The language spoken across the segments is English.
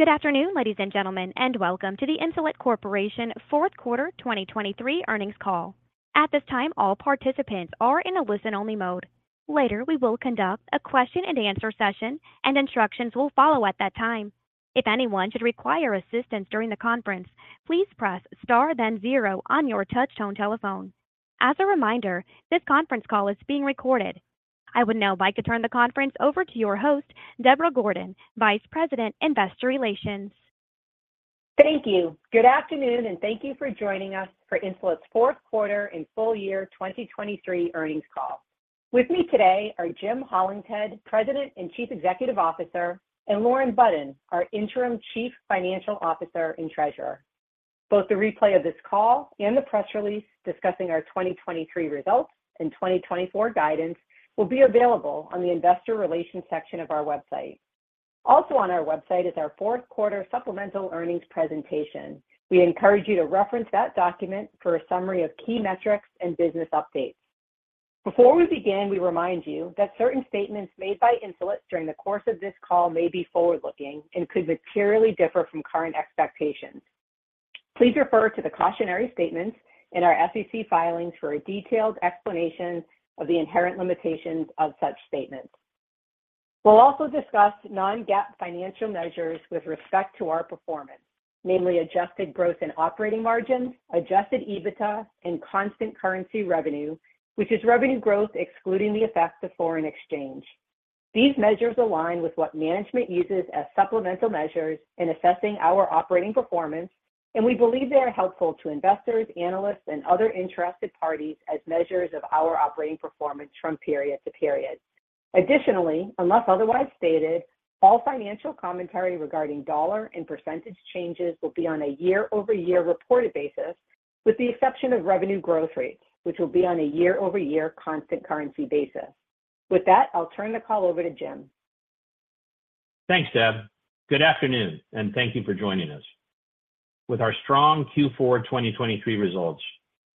Good afternoon, ladies and gentlemen, and welcome to the Insulet Corporation fourth quarter 2023 earnings call. At this time, all participants are in a listen-only mode. Later, we will conduct a Q&A session, and instructions will follow at that time. If anyone should require assistance during the conference, please press star then zero on your touch-tone telephone. As a reminder, this conference call is being recorded. I would now like to turn the conference over to your host, Deborah Gordon, Vice President Investor Relations. Thank you. Good afternoon, and thank you for joining us for Insulet's fourth quarter and full year 2023 earnings call. With me today are Jim Hollingshead, President and Chief Executive Officer, and Lauren Budden, our Interim Chief Financial Officer and Treasurer. Both the replay of this call and the press release discussing our 2023 results and 2024 guidance will be available on the Investor Relations section of our website. Also on our website is our fourth quarter supplemental earnings presentation. We encourage you to reference that document for a summary of key metrics and business updates. Before we begin, we remind you that certain statements made by Insulet during the course of this call may be forward-looking and could materially differ from current expectations. Please refer to the cautionary statements in our SEC filings for a detailed explanation of the inherent limitations of such statements. We'll also discuss non-GAAP financial measures with respect to our performance, namely adjusted growth in operating margins, adjusted EBITDA, and constant currency revenue, which is revenue growth excluding the effects of foreign exchange. These measures align with what management uses as supplemental measures in assessing our operating performance, and we believe they are helpful to investors, analysts, and other interested parties as measures of our operating performance from period to period. Additionally, unless otherwise stated, all financial commentary regarding dollar and percentage changes will be on a year-over-year reported basis, with the exception of revenue growth rates, which will be on a year-over-year constant currency basis. With that, I'll turn the call over to Jim. Thanks, Deb. Good afternoon, and thank you for joining us. With our strong Q4 2023 results,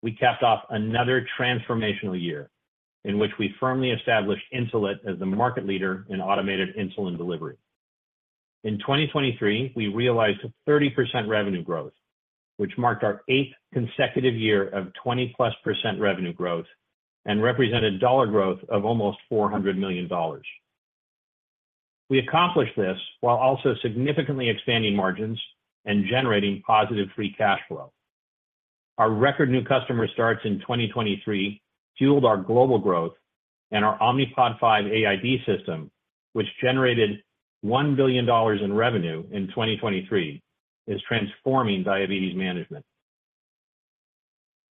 we capped off another transformational year in which we firmly established Insulet as the market leader in automated insulin delivery. In 2023, we realized 30% revenue growth, which marked our eighth consecutive year of 20%+ revenue growth and represented dollar growth of almost $400 million. We accomplished this while also significantly expanding margins and generating positive free cash flow. Our record new customer starts in 2023 fueled our global growth, and our Omnipod 5 AID system, which generated $1 billion in revenue in 2023, is transforming diabetes management.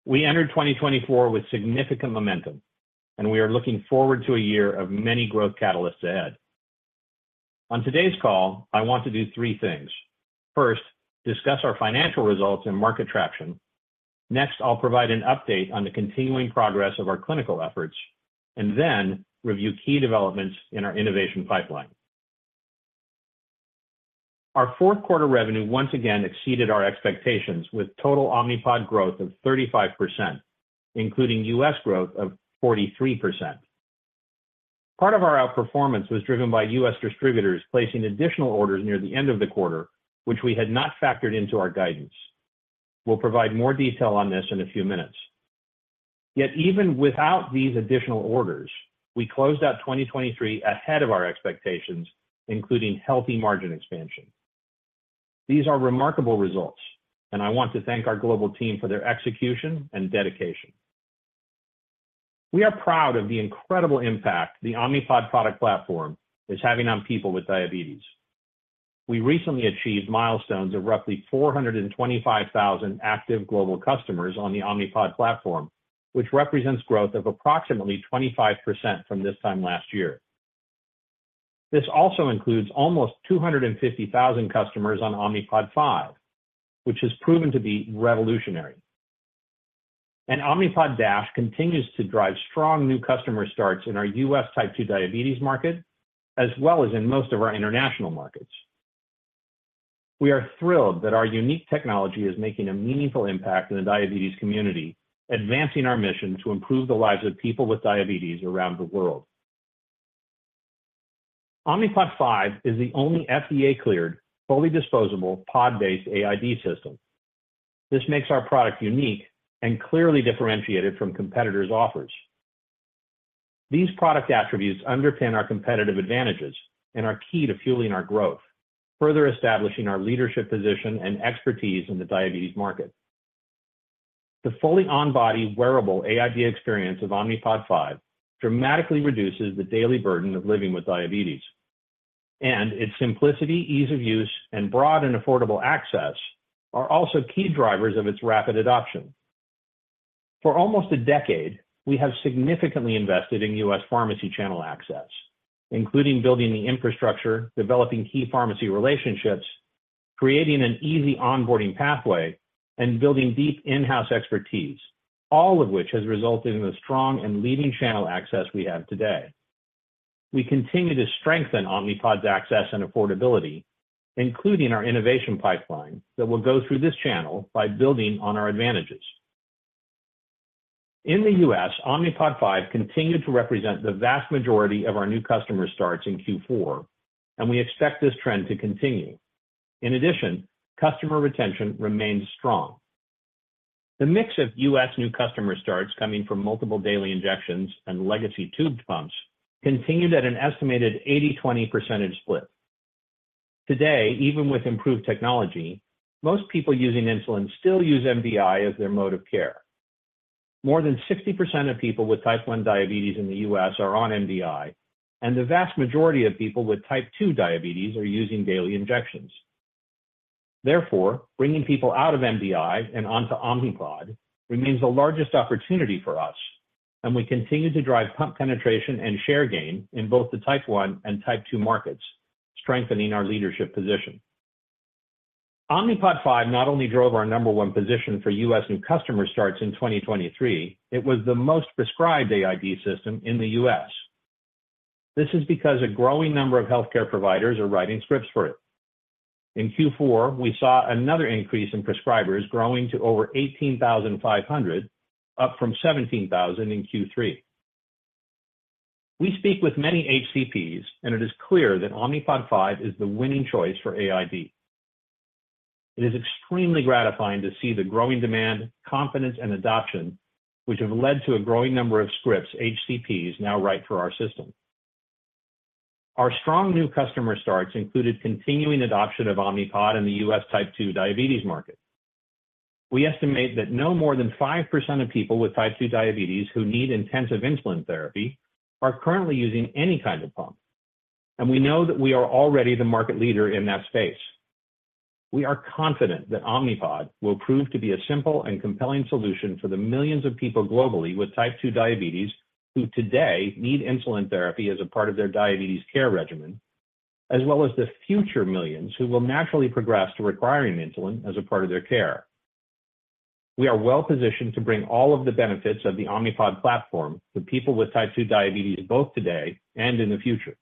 We entered 2024 with significant momentum, and we are looking forward to a year of many growth catalysts ahead. On today's call, I want to do three things. First, discuss our financial results and market traction. Next, I'll provide an update on the continuing progress of our clinical efforts, and then review key developments in our innovation pipeline. Our fourth quarter revenue once again exceeded our expectations with total Omnipod growth of 35%, including U.S. growth of 43%. Part of our outperformance was driven by U.S. distributors placing additional orders near the end of the quarter, which we had not factored into our guidance. We'll provide more detail on this in a few minutes. Yet even without these additional orders, we closed out 2023 ahead of our expectations, including healthy margin expansion. These are remarkable results, and I want to thank our global team for their execution and dedication. We are proud of the incredible impact the Omnipod product platform is having on people with diabetes. We recently achieved milestones of roughly 425,000 active global customers on the Omnipod platform, which represents growth of approximately 25% from this time last year. This also includes almost 250,000 customers on Omnipod 5, which has proven to be revolutionary. Omnipod DASH continues to drive strong new customer starts in our U.S. type two diabetes market, as well as in most of our international markets. We are thrilled that our unique technology is making a meaningful impact in the diabetes community, advancing our mission to improve the lives of people with diabetes around the world. Omnipod 5 is the only FDA-cleared, fully disposable, pod-based AID system. This makes our product unique and clearly differentiated from competitors' offers. These product attributes underpin our competitive advantages and are key to fueling our growth, further establishing our leadership position and expertise in the diabetes market. The fully on-body wearable AID experience of Omnipod 5 dramatically reduces the daily burden of living with diabetes. Its simplicity, ease of use, and broad and affordable access are also key drivers of its rapid adoption. For almost a decade, we have significantly invested in U.S. pharmacy channel access, including building the infrastructure, developing key pharmacy relationships, creating an easy onboarding pathway, and building deep in-house expertise, all of which has resulted in the strong and leading channel access we have today. We continue to strengthen Omnipod's access and affordability, including our innovation pipeline that will go through this channel by building on our advantages. In the U.S., Omnipod 5 continues to represent the vast majority of our new customer starts in Q4, and we expect this trend to continue. In addition, customer retention remains strong. The mix of U.S. new customer starts coming from multiple daily injections and legacy tube pumps continued at an estimated 80-20% split. Today, even with improved technology, most people using insulin still use MDI as their mode of care. More than 60% of people with type one diabetes in the U.S. are on MDI, and the vast majority of people with type two diabetes are using daily injections. Therefore, bringing people out of MDI and onto Omnipod remains the largest opportunity for us, and we continue to drive pump penetration and share gain in both the type one and type two markets, strengthening our leadership position. Omnipod 5 not only drove our number one position for U.S. new customer starts in 2023, it was the most prescribed AID system in the U.S. This is because a growing number of healthcare providers are writing scripts for it. In Q4, we saw another increase in prescribers, growing to over 18,500, up from 17,000 in Q3. We speak with many HCPs, and it is clear that Omnipod 5 is the winning choice for AID. It is extremely gratifying to see the growing demand, confidence, and adoption, which have led to a growing number of scripts HCPs now write for our system. Our strong new customer starts included continuing adoption of Omnipod in the U.S. type two diabetes market. We estimate that no more than 5% of people with type two diabetes who need intensive insulin therapy are currently using any kind of pump, and we know that we are already the market leader in that space. We are confident that Omnipod will prove to be a simple and compelling solution for the millions of people globally with type two diabetes who today need insulin therapy as a part of their diabetes care regimen, as well as the future millions who will naturally progress to requiring insulin as a part of their care. We are well positioned to bring all of the benefits of the Omnipod platform to people with type two diabetes both today and in the future.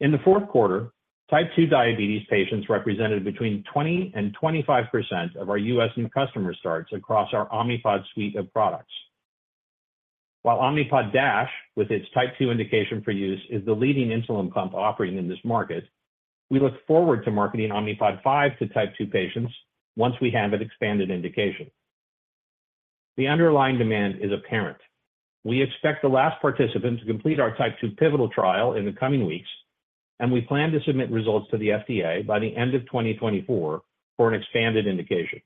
In the fourth quarter, type two diabetes patients represented between 20% and 25% of our U.S. new customer starts across our Omnipod suite of products. While Omnipod DASH, with its type two indication for use, is the leading insulin pump offering in this market, we look forward to marketing Omnipod 5 to type two patients once we have an expanded indication. The underlying demand is apparent. We expect the last participant to complete our type two pivotal trial in the coming weeks, and we plan to submit results to the FDA by the end of 2024 for an expanded indication.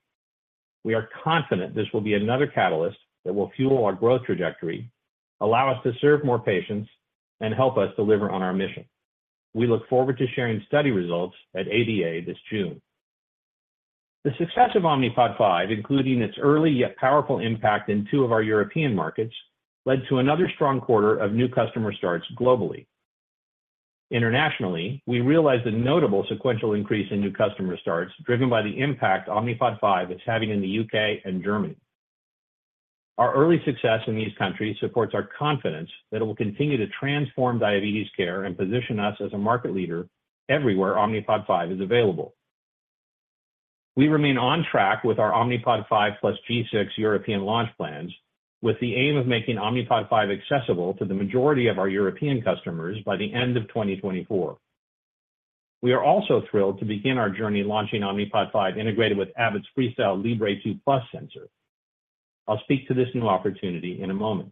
We are confident this will be another catalyst that will fuel our growth trajectory, allow us to serve more patients, and help us deliver on our mission. We look forward to sharing study results at ADA this June. The success of Omnipod 5, including its early yet powerful impact in two of our European markets, led to another strong quarter of new customer starts globally. Internationally, we realize the notable sequential increase in new customer starts driven by the impact Omnipod 5 is having in the U.K. and Germany. Our early success in these countries supports our confidence that it will continue to transform diabetes care and position us as a market leader everywhere Omnipod 5 is available. We remain on track with our Omnipod 5 plus G6 European launch plans, with the aim of making Omnipod 5 accessible to the majority of our European customers by the end of 2024. We are also thrilled to begin our journey launching Omnipod 5 integrated with Abbott's FreeStyle Libre 2 Plus sensor. I'll speak to this new opportunity in a moment.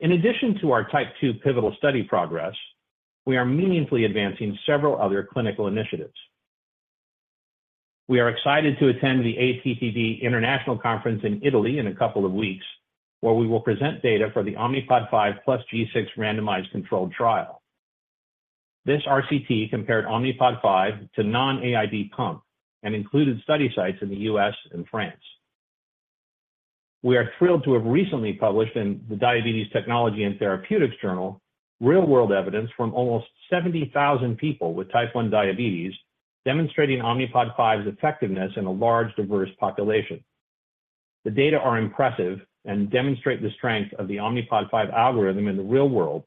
In addition to our type two pivotal study progress, we are meaningfully advancing several other clinical initiatives. We are excited to attend the ATTD International Conference in Italy in a couple of weeks, where we will present data for the Omnipod 5 plus G6 randomized controlled trial. This RCT compared Omnipod 5 to non-AID pump and included study sites in the U.S. and France. We are thrilled to have recently published in the Diabetes Technology and Therapeutics Journal real-world evidence from almost 70,000 people with type one diabetes demonstrating Omnipod 5's effectiveness in a large diverse population. The data are impressive and demonstrate the strength of the Omnipod 5 algorithm in the real world,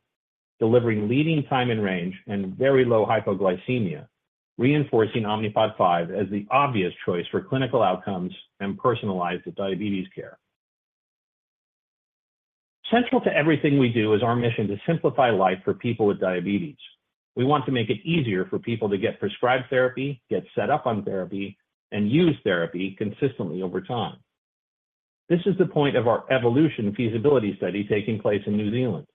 delivering leading time and range and very low hypoglycemia, reinforcing Omnipod 5 as the obvious choice for clinical outcomes and personalized diabetes care. Central to everything we do is our mission to simplify life for people with diabetes. We want to make it easier for people to get prescribed therapy, get set up on therapy, and use therapy consistently over time. This is the point of our Evolution feasibility study taking place in New Zealand.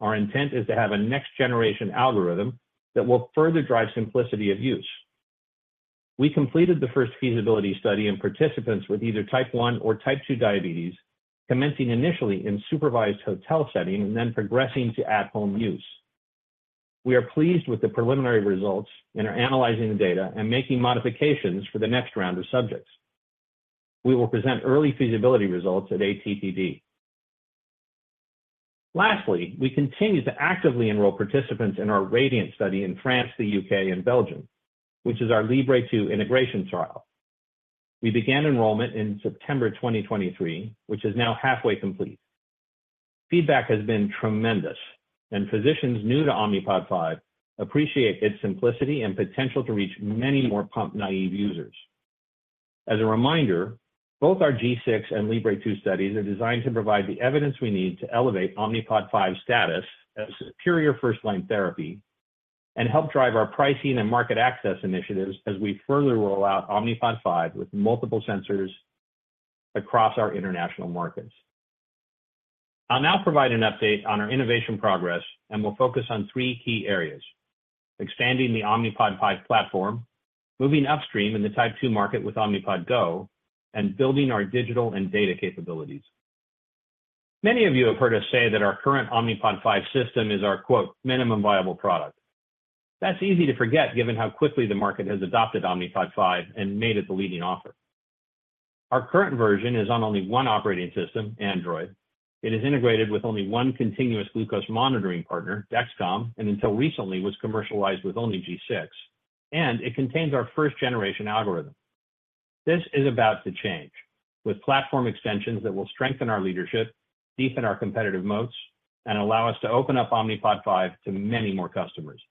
Our intent is to have a next generation algorithm that will further drive simplicity of use. We completed the first feasibility study in participants with either type one or type two diabetes, commencing initially in supervised hotel setting and then progressing to at-home use. We are pleased with the preliminary results and are analyzing the data and making modifications for the next round of subjects. We will present early feasibility results at ATTD. Lastly, we continue to actively enroll participants in our Radiant study in France, the U.K., and Belgium, which is our Libre 2 integration trial. We began enrollment in September 2023, which is now halfway complete. Feedback has been tremendous, and physicians new to Omnipod 5 appreciate its simplicity and potential to reach many more pump-naive users. As a reminder, both our G6 and Libre 2 studies are designed to provide the evidence we need to elevate Omnipod 5 status as superior first-line therapy and help drive our pricing and market access initiatives as we further roll out Omnipod 5 with multiple sensors across our international markets. I'll now provide an update on our innovation progress and will focus on three key areas: expanding the Omnipod 5 platform, moving upstream in the type two market with Omnipod GO, and building our digital and data capabilities. Many of you have heard us say that our current Omnipod 5 system is our "minimum viable product." That's easy to forget given how quickly the market has adopted Omnipod 5 and made it the leading offer. Our current version is on only one operating system, Android. It is integrated with only one continuous glucose monitoring partner, Dexcom, and until recently was commercialized with only G6, and it contains our first generation algorithm. This is about to change, with platform extensions that will strengthen our leadership, deepen our competitive moats, and allow us to open up Omnipod 5 to many more customers.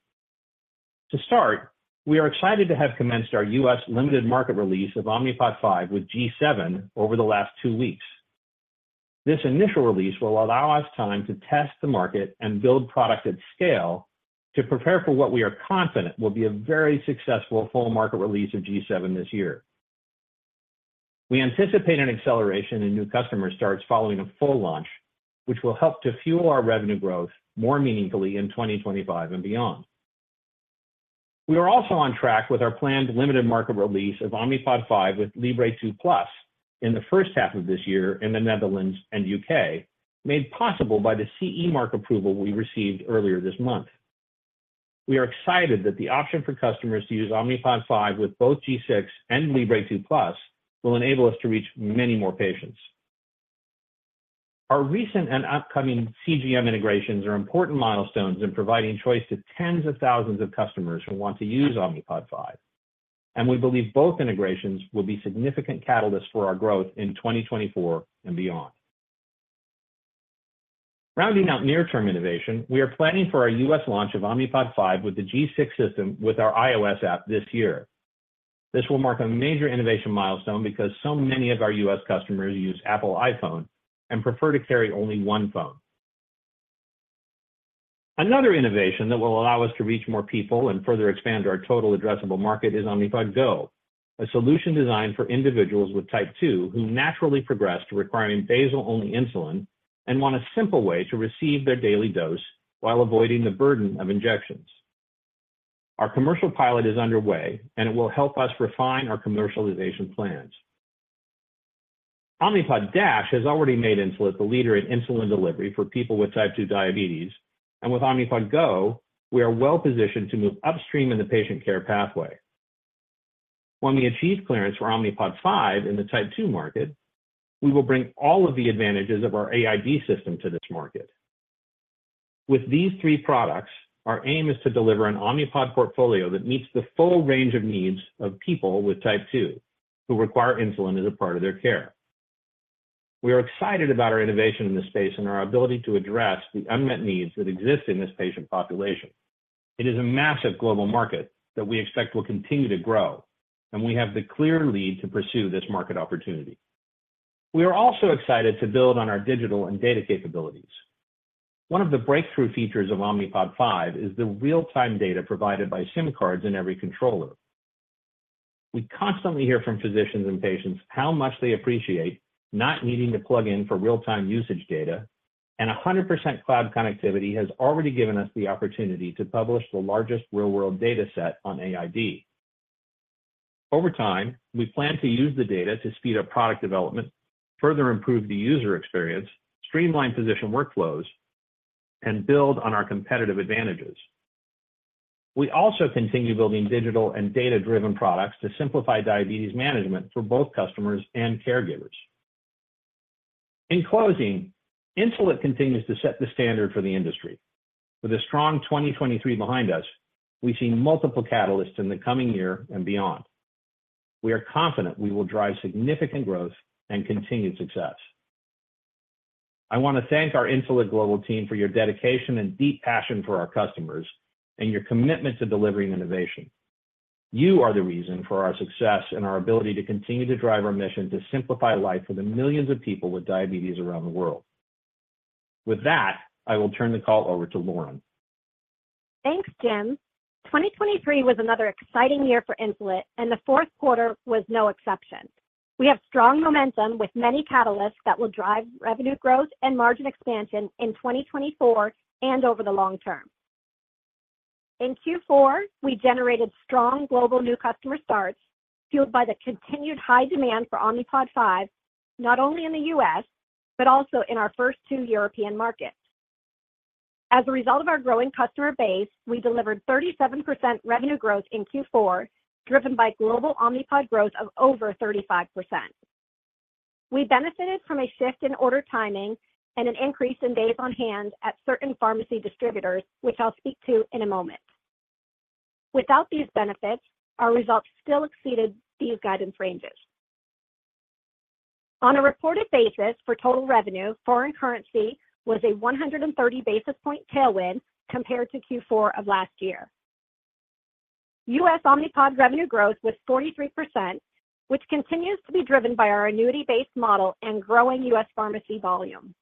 To start, we are excited to have commenced our U.S. limited market release of Omnipod 5 with G7 over the last two weeks. This initial release will allow us time to test the market and build product at scale to prepare for what we are confident will be a very successful full market release of G7 this year. We anticipate an acceleration in new customer starts following a full launch, which will help to fuel our revenue growth more meaningfully in 2025 and beyond. We are also on track with our planned limited market release of Omnipod 5 with FreeStyle Libre 2 Plus in the first half of this year in the Netherlands and U.K., made possible by the CE Mark approval we received earlier this month. We are excited that the option for customers to use Omnipod 5 with both G6 and FreeStyle Libre 2 Plus will enable us to reach many more patients. Our recent and upcoming CGM integrations are important milestones in providing choice to tens of thousands of customers who want to use Omnipod 5, and we believe both integrations will be significant catalysts for our growth in 2024 and beyond. Rounding out near-term innovation, we are planning for our U.S. launch of Omnipod 5 with the G6 system with our iOS app this year. This will mark a major innovation milestone because so many of our U.S. customers use Apple iPhone and prefer to carry only one phone. Another innovation that will allow us to reach more people and further expand our total addressable market is Omnipod GO, a solution designed for individuals with type two who naturally progress to requiring basal-only insulin and want a simple way to receive their daily dose while avoiding the burden of injections. Our commercial pilot is underway, and it will help us refine our commercialization plans. Omnipod DASH has already made Insulet the leader in insulin delivery for people with type two diabetes, and with Omnipod GO, we are well positioned to move upstream in the patient care pathway. When we achieve clearance for Omnipod 5 in the type two market, we will bring all of the advantages of our AID system to this market. With these three products, our aim is to deliver an Omnipod portfolio that meets the full range of needs of people with type two who require insulin as a part of their care. We are excited about our innovation in this space and our ability to address the unmet needs that exist in this patient population. It is a massive global market that we expect will continue to grow, and we have the clear lead to pursue this market opportunity. We are also excited to build on our digital and data capabilities. One of the breakthrough features of Omnipod 5 is the real-time data provided by SIM cards in every controller. We constantly hear from physicians and patients how much they appreciate not needing to plug in for real-time usage data, and 100% cloud connectivity has already given us the opportunity to publish the largest real-world data set on AID. Over time, we plan to use the data to speed up product development, further improve the user experience, streamline physician workflows, and build on our competitive advantages. We also continue building digital and data-driven products to simplify diabetes management for both customers and caregivers. In closing, Insulet continues to set the standard for the industry. With a strong 2023 behind us, we see multiple catalysts in the coming year and beyond. We are confident we will drive significant growth and continued success. I want to thank our Insulet global team for your dedication and deep passion for our customers and your commitment to delivering innovation. You are the reason for our success and our ability to continue to drive our mission to simplify life for the millions of people with diabetes around the world. With that, I will turn the call over to Lauren. Thanks, Jim. 2023 was another exciting year for Insulet, and the fourth quarter was no exception. We have strong momentum with many catalysts that will drive revenue growth and margin expansion in 2024 and over the long term. In Q4, we generated strong global new customer starts fueled by the continued high demand for Omnipod 5, not only in the U.S. but also in our first two European markets. As a result of our growing customer base, we delivered 37% revenue growth in Q4, driven by global Omnipod growth of over 35%. We benefited from a shift in order timing and an increase in days on hand at certain pharmacy distributors, which I'll speak to in a moment. Without these benefits, our results still exceeded these guidance ranges. On a reported basis for total revenue, foreign currency was a 130 basis point tailwind compared to Q4 of last year. U.S. Omnipod revenue growth was 43%, which continues to be driven by our annuity-based model and growing U.S. pharmacy volume.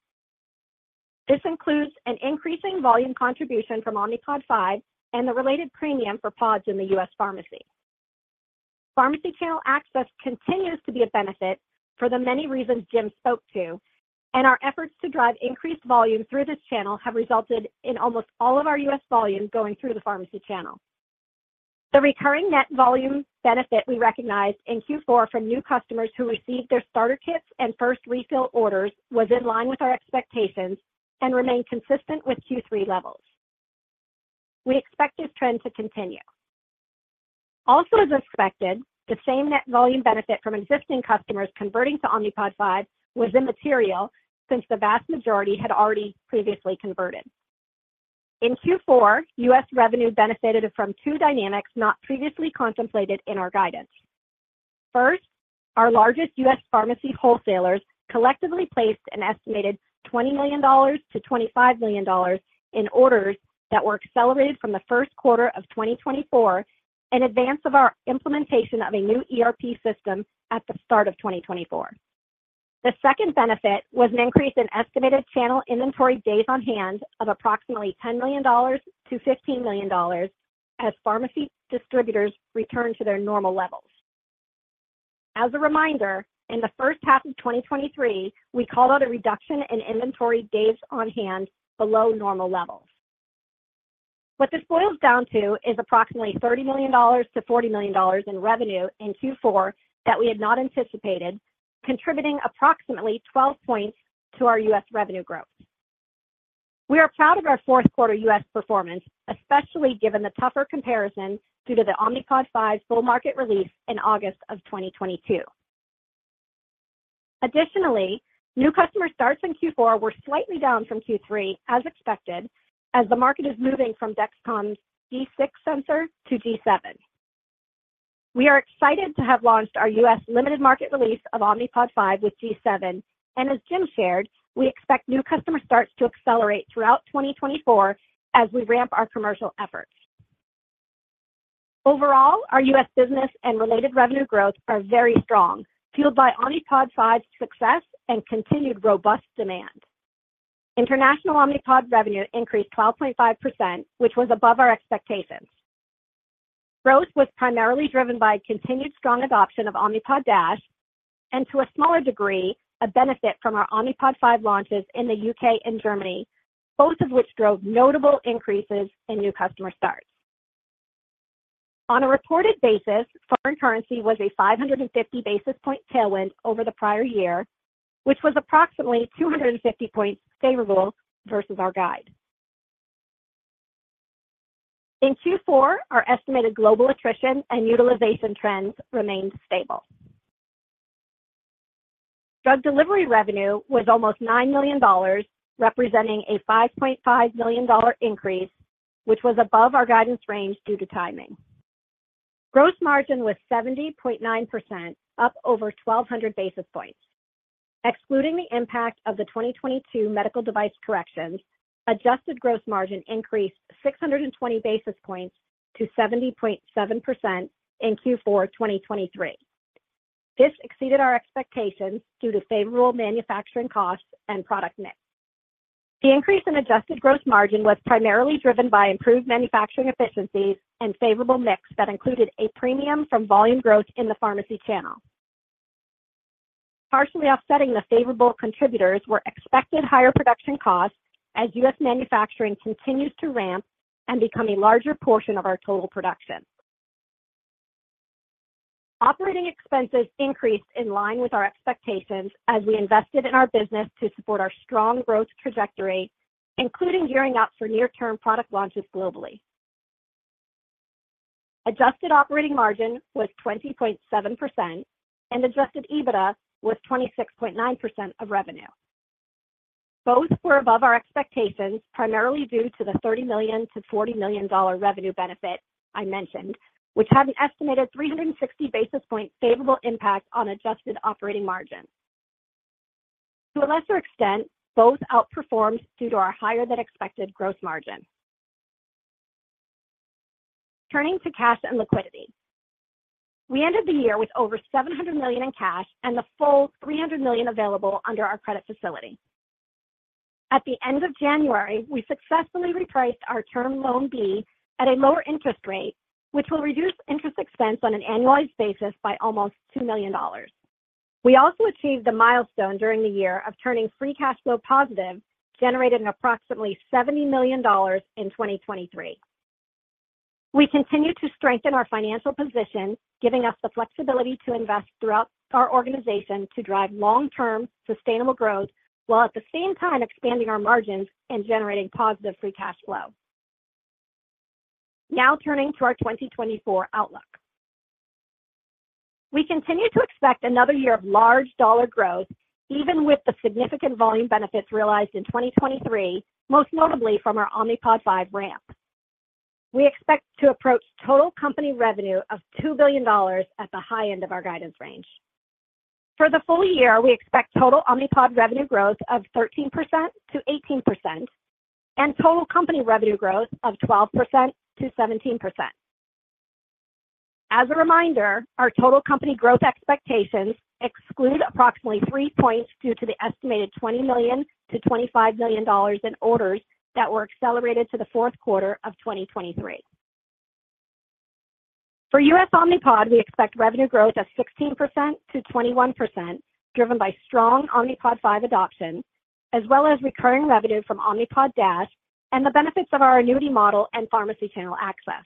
This includes an increasing volume contribution from Omnipod 5 and the related premium for pods in the U.S. pharmacy. Pharmacy channel access continues to be a benefit for the many reasons Jim spoke to, and our efforts to drive increased volume through this channel have resulted in almost all of our U.S. volume going through the pharmacy channel. The recurring net volume benefit we recognized in Q4 from new customers who received their starter kits and first refill orders was in line with our expectations and remained consistent with Q3 levels. We expect this trend to continue. Also, as expected, the same net volume benefit from existing customers converting to Omnipod 5 was immaterial since the vast majority had already previously converted. In Q4, U.S. revenue benefited from two dynamics not previously contemplated in our guidance. First, our largest U.S. pharmacy wholesalers collectively placed an estimated $20 million-$25 million in orders that were accelerated from the first quarter of 2024 in advance of our implementation of a new ERP system at the start of 2024. The second benefit was an increase in estimated channel inventory days on hand of approximately $10 million-$15 million as pharmacy distributors returned to their normal levels. As a reminder, in the first half of 2023, we called out a reduction in inventory days on hand below normal levels. What this boils down to is approximately $30 million-$40 million in revenue in Q4 that we had not anticipated, contributing approximately 12 points to our U.S. revenue growth. We are proud of our fourth quarter U.S. performance, especially given the tougher comparison due to the Omnipod 5 full market release in August of 2022. Additionally, new customer starts in Q4 were slightly down from Q3 as expected as the market is moving from Dexcom's G6 sensor to G7. We are excited to have launched our U.S. limited market release of Omnipod 5 with G7, and as Jim shared, we expect new customer starts to accelerate throughout 2024 as we ramp our commercial efforts. Overall, our U.S. business and related revenue growth are very strong, fueled by Omnipod 5's success and continued robust demand. International Omnipod revenue increased 12.5%, which was above our expectations. Growth was primarily driven by continued strong adoption of Omnipod DASH and, to a smaller degree, a benefit from our Omnipod 5 launches in the U.K. and Germany, both of which drove notable increases in new customer starts. On a reported basis, foreign currency was a 550 basis point tailwind over the prior year, which was approximately 250 points favorable versus our guide. In Q4, our estimated global attrition and utilization trends remained stable. Drug delivery revenue was almost $9 million, representing a $5.5 million increase, which was above our guidance range due to timing. Gross margin was 70.9%, up over 1,200 basis points. Excluding the impact of the 2022 medical device corrections, adjusted gross margin increased 620 basis points to 70.7% in Q4 2023. This exceeded our expectations due to favorable manufacturing costs and product mix. The increase in adjusted gross margin was primarily driven by improved manufacturing efficiencies and favorable mix that included a premium from volume growth in the pharmacy channel. Partially offsetting the favorable contributors were expected higher production costs as U.S. manufacturing continues to ramp and become a larger portion of our total production. Operating expenses increased in line with our expectations as we invested in our business to support our strong growth trajectory, including gearing up for near-term product launches globally. Adjusted operating margin was 20.7%, and adjusted EBITDA was 26.9% of revenue. Both were above our expectations, primarily due to the $30 million-$40 million revenue benefit I mentioned, which had an estimated 360 basis point favorable impact on adjusted operating margin. To a lesser extent, both outperformed due to our higher-than-expected gross margin. Turning to cash and liquidity. We ended the year with over $700 million in cash and the full $300 million available under our credit facility. At the end of January, we successfully repriced our Term Loan B at a lower interest rate, which will reduce interest expense on an annualized basis by almost $2 million. We also achieved the milestone during the year of turning free cash flow positive, generating approximately $70 million in 2023. We continue to strengthen our financial position, giving us the flexibility to invest throughout our organization to drive long-term sustainable growth while at the same time expanding our margins and generating positive free cash flow. Now turning to our 2024 outlook. We continue to expect another year of large dollar growth, even with the significant volume benefits realized in 2023, most notably from our Omnipod 5 ramp. We expect to approach total company revenue of $2 billion at the high end of our guidance range. For the full year, we expect total Omnipod revenue growth of 13%-18%, and total company revenue growth of 12%-17%. As a reminder, our total company growth expectations exclude approximately 3 points due to the estimated $20 million-$25 million in orders that were accelerated to the fourth quarter of 2023. For U.S. Omnipod, we expect revenue growth of 16%-21%, driven by strong Omnipod 5 adoption, as well as recurring revenue from Omnipod DASH and the benefits of our annuity model and pharmacy channel access.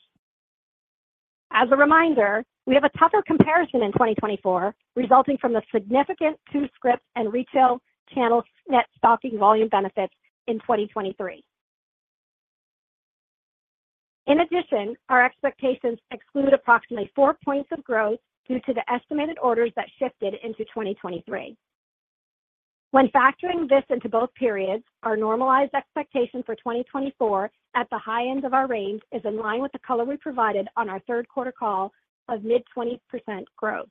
As a reminder, we have a tougher comparison in 2024, resulting from the significant Q2 scripts and retail channel net stocking volume benefits in 2023. In addition, our expectations exclude approximately 4 points of growth due to the estimated orders that shifted into 2023. When factoring this into both periods, our normalized expectation for 2024 at the high end of our range is in line with the color we provided on our third quarter call of mid-20% growth.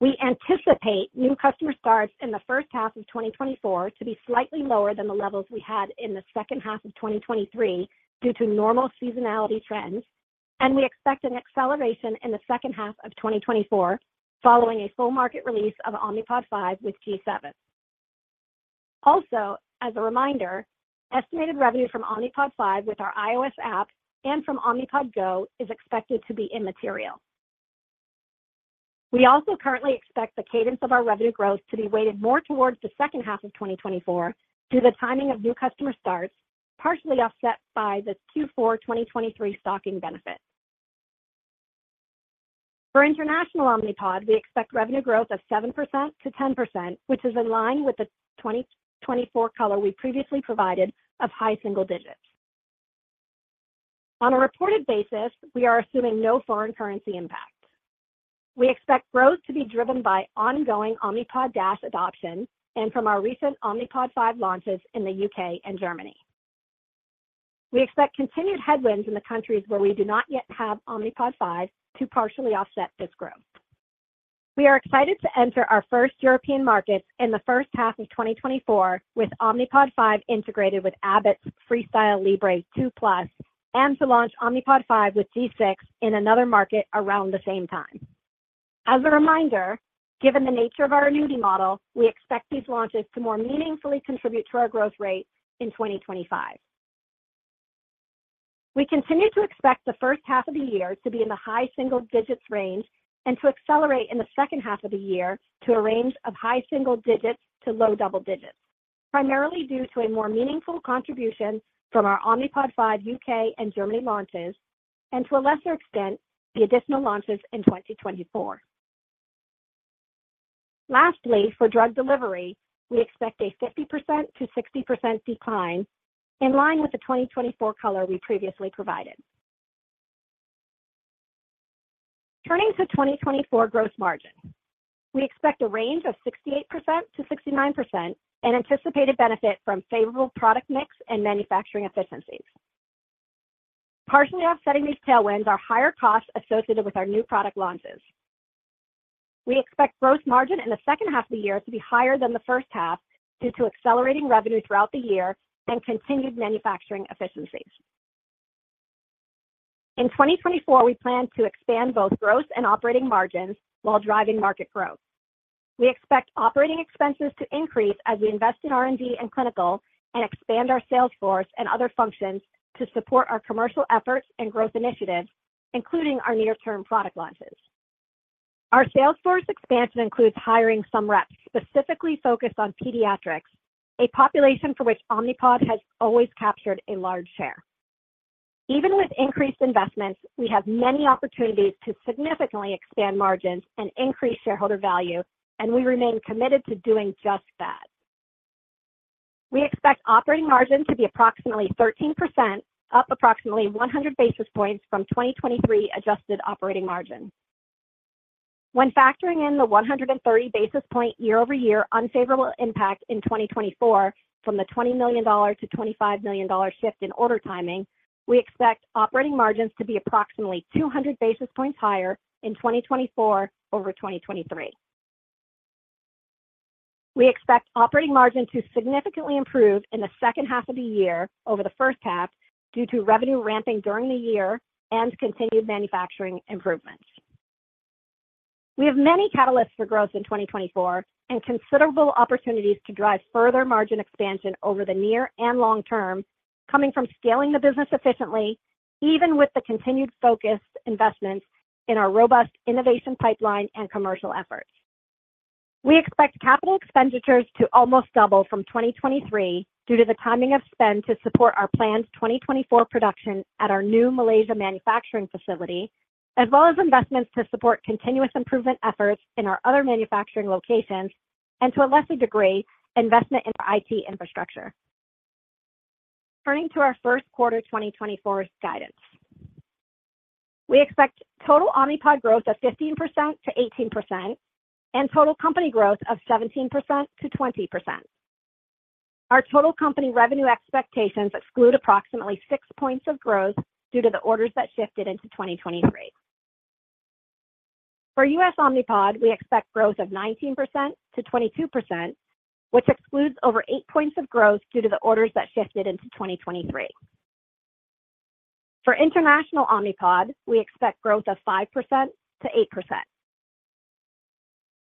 We anticipate new customer starts in the first half of 2024 to be slightly lower than the levels we had in the second half of 2023 due to normal seasonality trends, and we expect an acceleration in the second half of 2024 following a full market release of Omnipod 5 with G7. Also, as a reminder, estimated revenue from Omnipod 5 with our iOS app and from Omnipod GO is expected to be immaterial. We also currently expect the cadence of our revenue growth to be weighted more towards the second half of 2024 due to the timing of new customer starts, partially offset by the Q4 2023 stocking benefit. For international Omnipod, we expect revenue growth of 7%-10%, which is in line with the 2024 color we previously provided of high single digits. On a reported basis, we are assuming no foreign currency impact. We expect growth to be driven by ongoing Omnipod DASH adoption and from our recent Omnipod 5 launches in the U.K. and Germany. We expect continued headwinds in the countries where we do not yet have Omnipod 5 to partially offset this growth. We are excited to enter our first European markets in the first half of 2024 with Omnipod 5 integrated with Abbott's FreeStyle Libre 2 Plus and to launch Omnipod 5 with G6 in another market around the same time. As a reminder, given the nature of our annuity model, we expect these launches to more meaningfully contribute to our growth rate in 2025. We continue to expect the first half of the year to be in the high single digits range and to accelerate in the second half of the year to a range of high single digits to low double digits, primarily due to a more meaningful contribution from our Omnipod 5 U.K. and Germany launches and, to a lesser extent, the additional launches in 2024. Lastly, for drug delivery, we expect a 50%-60% decline in line with the 2024 color we previously provided. Turning to 2024 gross margin. We expect a range of 68%-69% and anticipated benefit from favorable product mix and manufacturing efficiencies. Partially offsetting these tailwinds are higher costs associated with our new product launches. We expect gross margin in the second half of the year to be higher than the first half due to accelerating revenue throughout the year and continued manufacturing efficiencies. In 2024, we plan to expand both gross and operating margins while driving market growth. We expect operating expenses to increase as we invest in R&D and clinical and expand our sales force and other functions to support our commercial efforts and growth initiatives, including our near-term product launches. Our sales force expansion includes hiring some reps specifically focused on pediatrics, a population for which Omnipod has always captured a large share. Even with increased investments, we have many opportunities to significantly expand margins and increase shareholder value, and we remain committed to doing just that. We expect operating margin to be approximately 13%, up approximately 100 basis points from 2023 adjusted operating margin. When factoring in the 130 basis point year-over-year unfavorable impact in 2024 from the $20 million-$25 million shift in order timing, we expect operating margins to be approximately 200 basis points higher in 2024 over 2023. We expect operating margin to significantly improve in the second half of the year over the first half due to revenue ramping during the year and continued manufacturing improvements. We have many catalysts for growth in 2024 and considerable opportunities to drive further margin expansion over the near and long term, coming from scaling the business efficiently, even with the continued focused investments in our robust innovation pipeline and commercial efforts. We expect capital expenditures to almost double from 2023 due to the timing of spend to support our planned 2024 production at our new Malaysia manufacturing facility, as well as investments to support continuous improvement efforts in our other manufacturing locations and, to a lesser degree, investment in our IT infrastructure. Turning to our first quarter 2024 guidance. We expect total Omnipod growth of 15%-18% and total company growth of 17%-20%. Our total company revenue expectations exclude approximately six points of growth due to the orders that shifted into 2023. For U.S. Omnipod, we expect growth of 19%-22%, which excludes over eight points of growth due to the orders that shifted into 2023. For international Omnipod, we expect growth of 5%-8%.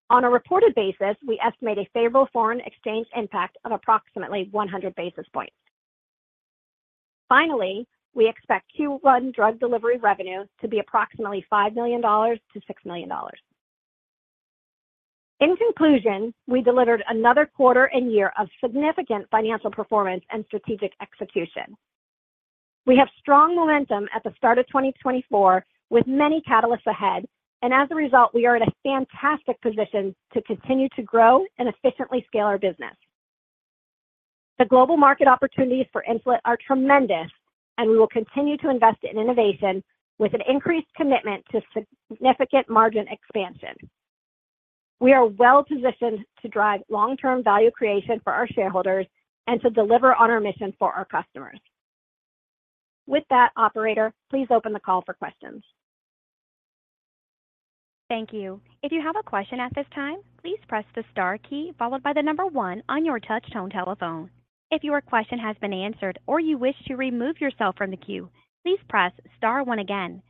On a reported basis, we estimate a favorable foreign exchange impact of approximately 100 basis points. Finally, we expect Q1 drug delivery revenue to be approximately $5 million-$6 million. In conclusion, we delivered another quarter and year of significant financial performance and strategic execution. We have strong momentum at the start of 2024 with many catalysts ahead, and as a result, we are in a fantastic position to continue to grow and efficiently scale our business. The global market opportunities for Insulet are tremendous, and we will continue to invest in innovation with an increased commitment to significant margin expansion. We are well positioned to drive long-term value creation for our shareholders and to deliver on our mission for our customers. With that, operator, please open the call for questions. Thank you. If you have a question at this time, please press the star key followed by the number one on your touch tone telephone. If your question has been answered or you wish to remove yourself from the queue, please press star one again.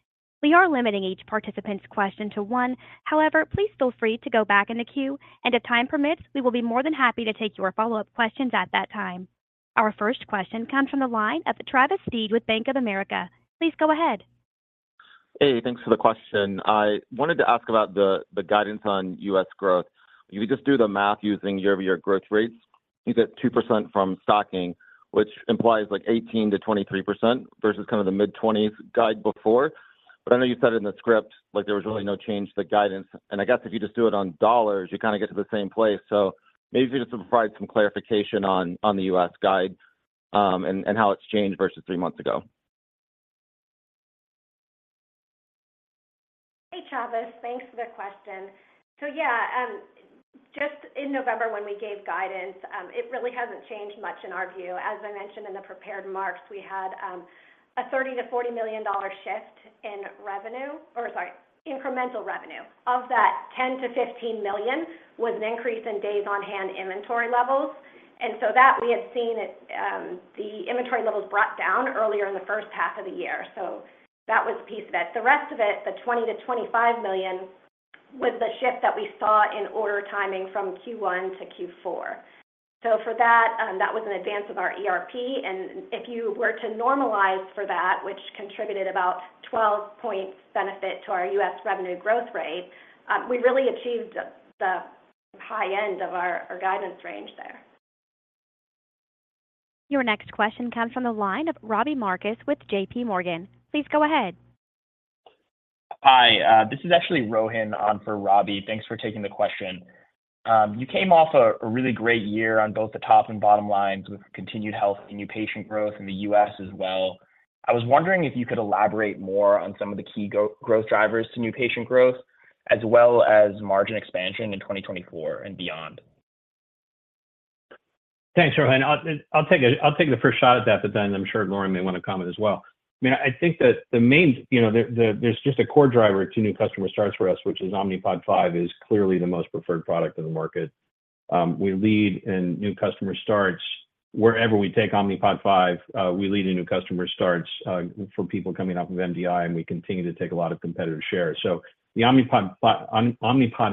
We are limiting each participant's question to one. However, please feel free to go back in the queue, and if time permits, we will be more than happy to take your follow-up questions at that time. Our first question comes from the line of Travis Steed with Bank of America. Please go ahead. Hey, thanks for the question. I wanted to ask about the guidance on U.S. growth. You could just do the math using year-over-year growth rates. You get 2% from stocking, which implies 18%-23% versus kind of the mid-20s guide before. But I know you said in the script there was really no change to the guidance, and I guess if you just do it on dollars, you kind of get to the same place. So maybe if you could just provide some clarification on the U.S. guide and how it's changed versus three months ago. Hey, Travis. Thanks for the question. So yeah, just in November when we gave guidance, it really hasn't changed much in our view. As I mentioned in the prepared remarks, we had a $30 million-$40 million shift in revenue or sorry, incremental revenue. Of that, $10 million-$15 million was an increase in days on hand inventory levels, and so that we had seen the inventory levels brought down earlier in the first half of the year. So that was a piece of it. The rest of it, the $20 million-$25 million, was the shift that we saw in order timing from Q1 to Q4. So for that, that was an advance of our ERP, and if you were to normalize for that, which contributed about 12 points benefit to our U.S. revenue growth rate, we really achieved the high end of our guidance range there. Your next question comes from the line of Robbie Marcus with JPMorgan. Please go ahead. Hi, this is actually Rohin on for Robbie. Thanks for taking the question. You came off a really great year on both the top and bottom lines with continued health and new patient growth in the U.S. as well. I was wondering if you could elaborate more on some of the key growth drivers to new patient growth, as well as margin expansion in 2024 and beyond. Thanks, Rohin. I'll take the first shot at that, but then I'm sure Lauren may want to comment as well. I mean, I think that the main there's just a core driver to new customer starts for us, which is Omnipod 5 is clearly the most preferred product in the market. We lead in new customer starts. Wherever we take Omnipod 5, we lead in new customer starts for people coming off of MDI, and we continue to take a lot of competitive share. So the Omnipod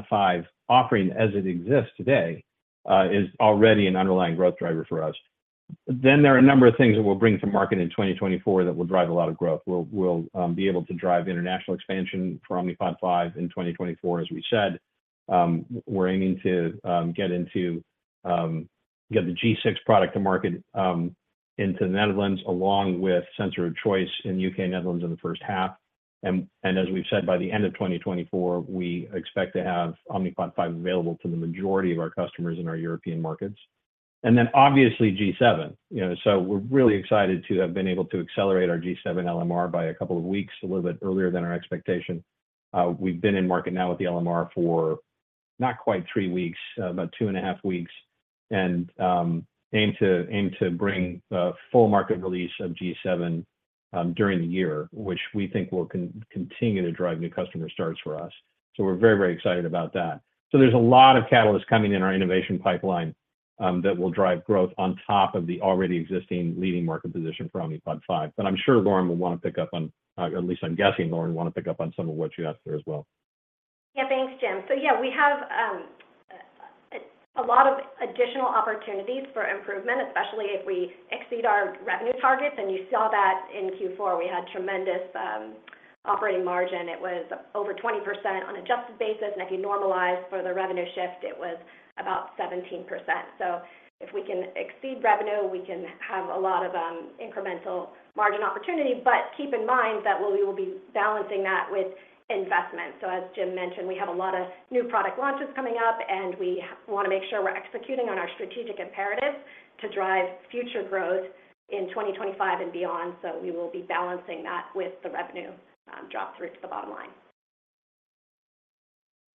5 offering as it exists today is already an underlying growth driver for us. Then there are a number of things that we'll bring to market in 2024 that will drive a lot of growth. We'll be able to drive international expansion for Omnipod 5 in 2024, as we said. We're aiming to get the G6 product to market into the Netherlands, along with sensor of choice in the U.K. and Netherlands in the first half. As we've said, by the end of 2024, we expect to have Omnipod 5 available to the majority of our customers in our European markets. Then obviously, G7. We're really excited to have been able to accelerate our G7 LMR by a couple of weeks, a little bit earlier than our expectation. We've been in market now with the LMR for not quite three weeks, about two and a half weeks, and aim to bring full market release of G7 during the year, which we think will continue to drive new customer starts for us. We're very, very excited about that. There's a lot of catalysts coming in our innovation pipeline that will drive growth on top of the already existing leading market position for Omnipod 5. But I'm sure Lauren will want to pick up on at least I'm guessing Lauren will want to pick up on some of what you asked her as well. Yeah, thanks, Jim. So yeah, we have a lot of additional opportunities for improvement, especially if we exceed our revenue targets. And you saw that in Q4. We had tremendous operating margin. It was over 20% on adjusted basis, and if you normalized for the revenue shift, it was about 17%. So if we can exceed revenue, we can have a lot of incremental margin opportunity, but keep in mind that we will be balancing that with investment. So as Jim mentioned, we have a lot of new product launches coming up, and we want to make sure we're executing on our strategic imperatives to drive future growth in 2025 and beyond. So we will be balancing that with the revenue drop through to the bottom line.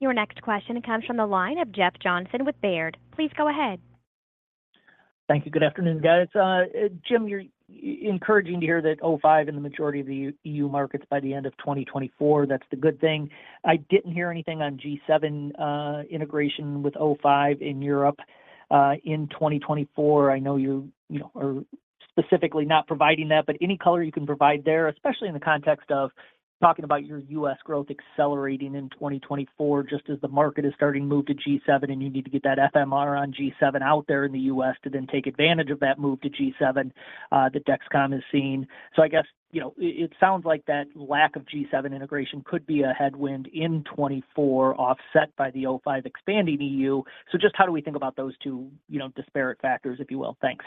Your next question comes from the line of Jeff Johnson with Baird. Please go ahead. Thank you. Good afternoon, guys. Jim, it's encouraging to hear that O5 in the majority of the EU markets by the end of 2024. That's the good thing. I didn't hear anything on G7 integration with O5 in Europe in 2024. I know you are specifically not providing that, but any color you can provide there, especially in the context of talking about your U.S. growth accelerating in 2024, just as the market is starting to move to G7 and you need to get that FMR on G7 out there in the U.S. to then take advantage of that move to G7 that Dexcom is seeing. So I guess it sounds like that lack of G7 integration could be a headwind in 2024 offset by the O5 expanding EU. So just how do we think about those two disparate factors, if you will? Thanks.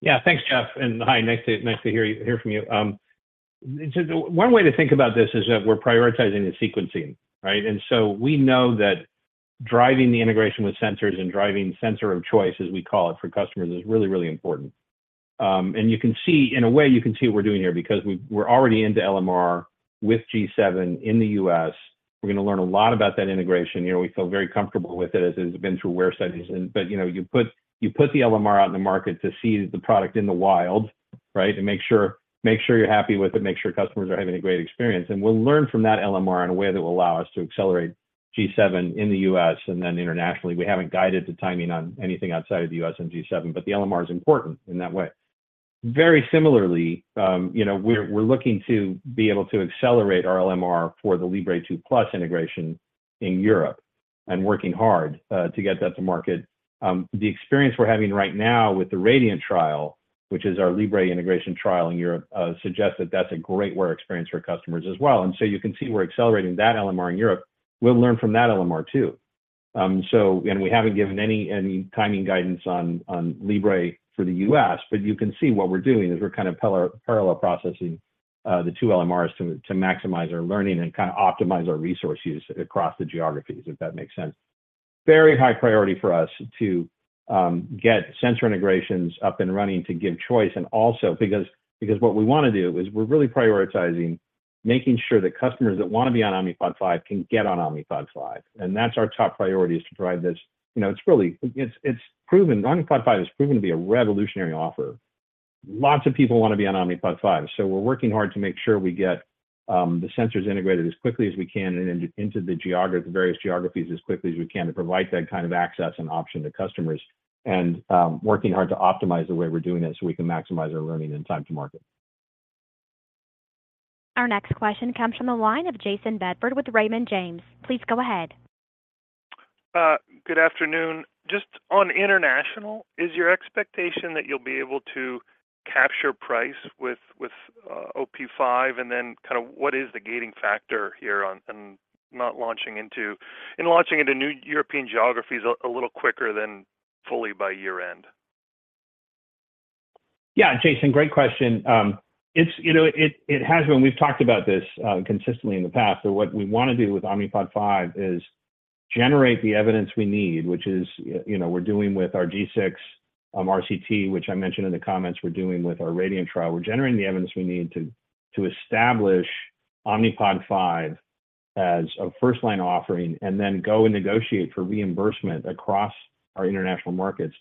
Yeah, thanks, Jeff. And hi. Nice to hear from you. One way to think about this is that we're prioritizing the sequencing, right? And so we know that driving the integration with sensors and driving sensor of choice, as we call it for customers, is really, really important. And you can see in a way, you can see what we're doing here because we're already into LMR with G7 in the U.S. We're going to learn a lot about that integration. We feel very comfortable with it as it has been through wear studies. But you put the LMR out in the market to see the product in the wild, right, and make sure you're happy with it, make sure customers are having a great experience. And we'll learn from that LMR in a way that will allow us to accelerate G7 in the U.S. and then internationally. We haven't guided the timing on anything outside of the U.S. on G7, but the LMR is important in that way. Very similarly, we're looking to be able to accelerate our LMR for the Libre 2 Plus integration in Europe and working hard to get that to market. The experience we're having right now with the Radiant trial, which is our Libre integration trial in Europe, suggests that that's a great wear experience for customers as well. And so you can see we're accelerating that LMR in Europe. We'll learn from that LMR too. And we haven't given any timing guidance on Libre for the U.S., but you can see what we're doing is we're kind of parallel processing the two LMRs to maximize our learning and kind of optimize our resource use across the geographies, if that makes sense. Very high priority for us to get sensor integrations up and running to give choice and also because what we want to do is we're really prioritizing making sure that customers that want to be on Omnipod 5 can get on Omnipod 5. And that's our top priority is to drive this. It's proven Omnipod 5 is proven to be a revolutionary offer. Lots of people want to be on Omnipod 5, so we're working hard to make sure we get the sensors integrated as quickly as we can into the various geographies as quickly as we can to provide that kind of access and option to customers and working hard to optimize the way we're doing it so we can maximize our learning and time to market. Our next question comes from the line of Jayson Bedford with Raymond James. Please go ahead. Good afternoon. Just on international, is your expectation that you'll be able to capture price with OP5? And then kind of what is the gating factor here on not launching into new European geographies a little quicker than fully by year-end? Yeah, Jason, great question. It has been. We've talked about this consistently in the past. So what we want to do with Omnipod 5 is generate the evidence we need, which is we're doing with our G6 RCT, which I mentioned in the comments. We're doing with our Radiant trial. We're generating the evidence we need to establish Omnipod 5 as a first-line offering and then go and negotiate for reimbursement across our international markets,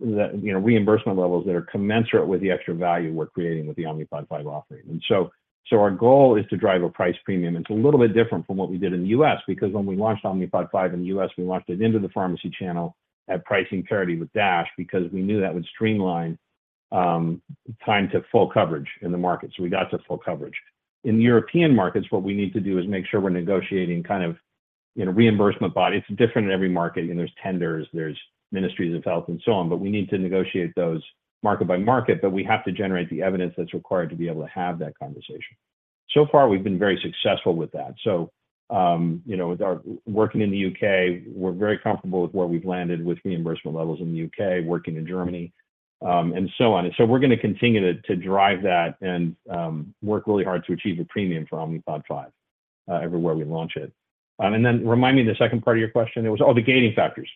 reimbursement levels that are commensurate with the extra value we're creating with the Omnipod 5 offering. And so our goal is to drive a price premium. It's a little bit different from what we did in the U.S. because when we launched Omnipod 5 in the U.S., we launched it into the pharmacy channel at pricing parity with DASH because we knew that would streamline time to full coverage in the market. So we got to full coverage. In the European markets, what we need to do is make sure we're negotiating kind of reimbursement body. It's different in every market. There's tenders, there's ministries of health, and so on, but we need to negotiate those market by market. But we have to generate the evidence that's required to be able to have that conversation. So far, we've been very successful with that. So working in the U.K., we're very comfortable with where we've landed with reimbursement levels in the U.K., working in Germany, and so on. And so we're going to continue to drive that and work really hard to achieve a premium for Omnipod 5 everywhere we launch it. And then remind me the second part of your question. It was, oh, the gaining factors.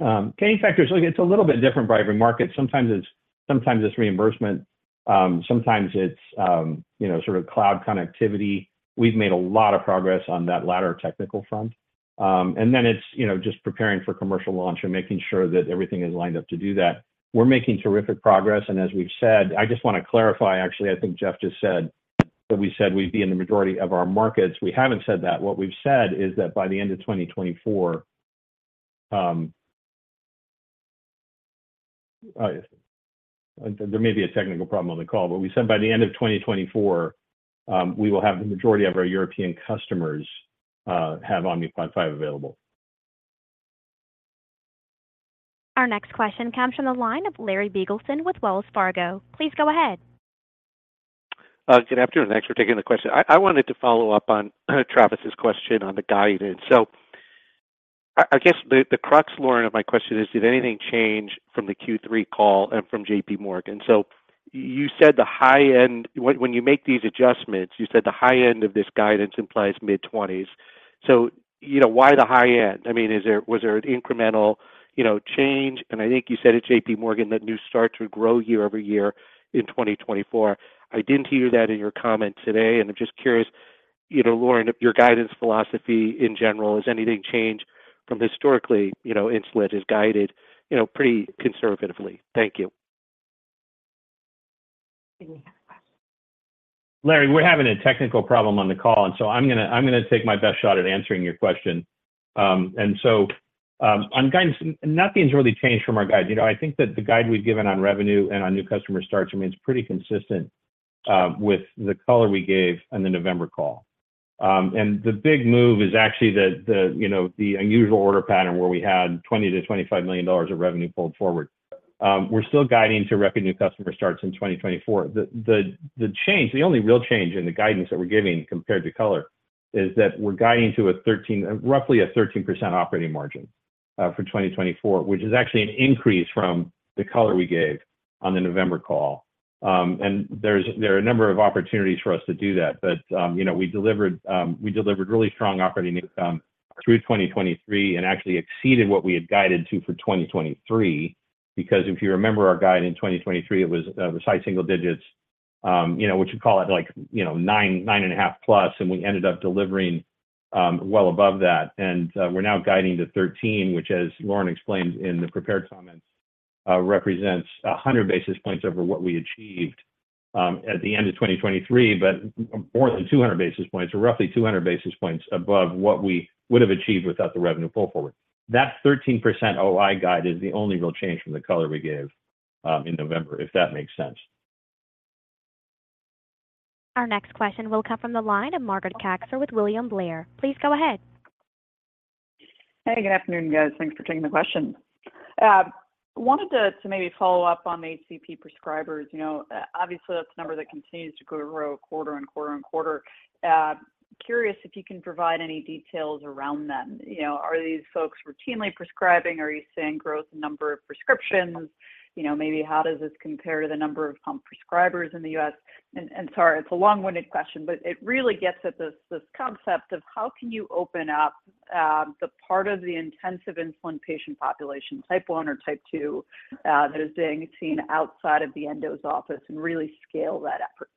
Gaining factors, it's a little bit different by every market. Sometimes it's reimbursement. Sometimes it's sort of cloud connectivity. We've made a lot of progress on that latter technical front. And then it's just preparing for commercial launch and making sure that everything is lined up to do that. We're making terrific progress. And as we've said, I just want to clarify, actually. I think Jeff just said that we said we'd be in the majority of our markets. We haven't said that. What we've said is that by the end of 2024 there may be a technical problem on the call, but we said by the end of 2024, we will have the majority of our European customers have Omnipod 5 available. Our next question comes from the line of Larry Biegelsen with Wells Fargo. Please go ahead. Good afternoon. Thanks for taking the question. I wanted to follow up on Travis's question on the guidance. So I guess the crux, Lauren, of my question is, did anything change from the Q3 call and from JPMorgan? So you said the high end when you make these adjustments, you said the high end of this guidance implies mid-twenties. So why the high end? I mean, was there an incremental change? And I think you said at JPMorgan that new starts would grow year-over-year in 2024. I didn't hear that in your comment today, and I'm just curious, Lauren, your guidance philosophy in general, has anything changed from historically? Insulet is guided pretty conservatively. Thank you. Larry, we're having a technical problem on the call, and so I'm going to take my best shot at answering your question. So, on guidance, nothing's really changed from our guide. I think that the guide we've given on revenue and on new customer starts, I mean, it's pretty consistent with the color we gave in the November call. The big move is actually the unusual order pattern where we had $20 million-$25 million of revenue pulled forward. We're still guiding to record new customer starts in 2024. The change, the only real change in the guidance that we're giving compared to color is that we're guiding to roughly a 13% operating margin for 2024, which is actually an increase from the color we gave on the November call. And there are a number of opportunities for us to do that, but we delivered really strong operating income through 2023 and actually exceeded what we had guided to for 2023 because if you remember our guide in 2023, it was the high single digits, which you call it 9.5+, and we ended up delivering well above that. And we're now guiding to 13, which, as Lauren explained in the prepared comments, represents 100 basis points over what we achieved at the end of 2023, but more than 200 basis points or roughly 200 basis points above what we would have achieved without the revenue pulled forward. That 13% OI guide is the only real change from the color we gave in November, if that makes sense. Our next question will come from the line of Margaret Kaczor with William Blair. Please go ahead. Hey, good afternoon, guys. Thanks for taking the question. Wanted to maybe follow up on the HCP prescribers. Obviously, that's a number that continues to grow quarter and quarter and quarter. Curious if you can provide any details around them. Are these folks routinely prescribing? Are you seeing growth in number of prescriptions? Maybe how does this compare to the number of prescribers in the U.S.? And sorry, it's a long-winded question, but it really gets at this concept of how can you open up the part of the intensive insulin patient population, type one or type two, that is being seen outside of the endo's office and really scale that effort?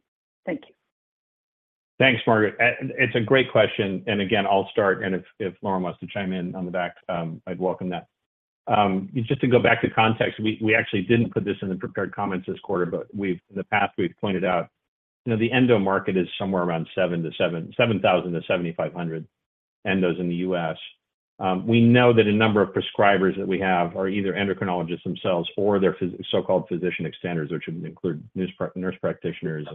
Thank you. Thanks, Margaret. It's a great question. And again, I'll start, and if Lauren wants to chime in on the back, I'd welcome that. Just to go back to context, we actually didn't put this in the prepared comments this quarter, but in the past, we've pointed out the endo market is somewhere around 7,000 to 7,500 endos in the U.S. We know that a number of prescribers that we have are either endocrinologists themselves or their so-called physician extenders, which would include nurse practitioners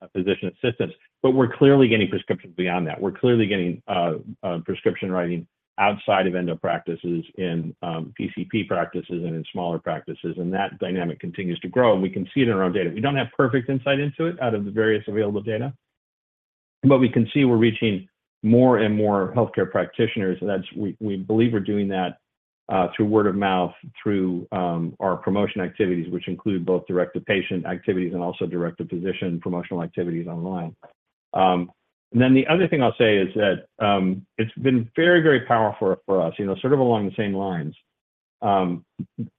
and physician assistants. But we're clearly getting prescriptions beyond that. We're clearly getting prescription writing outside of endo practices, in PCP practices, and in smaller practices. And that dynamic continues to grow, and we can see it in our own data. We don't have perfect insight into it out of the various available data, but we can see we're reaching more and more healthcare practitioners. We believe we're doing that through word of mouth, through our promotion activities, which include both direct-to-patient activities and also direct-to-physician promotional activities online. And then the other thing I'll say is that it's been very, very powerful for us, sort of along the same lines.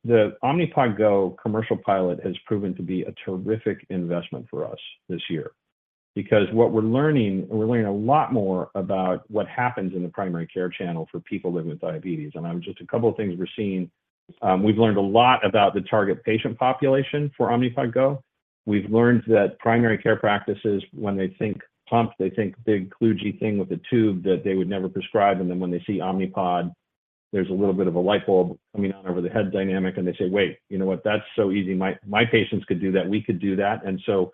The Omnipod GO commercial pilot has proven to be a terrific investment for us this year because what we're learning, and we're learning a lot more about what happens in the primary care channel for people living with diabetes. And just a couple of things we're seeing, we've learned a lot about the target patient population for Omnipod GO. We've learned that primary care practices, when they think pump, they think big kludgy thing with a tube that they would never prescribe. And then when they see Omnipod, there's a little bit of a light bulb coming on over the head dynamic, and they say, "Wait, you know what? That's so easy. My patients could do that. We could do that." And so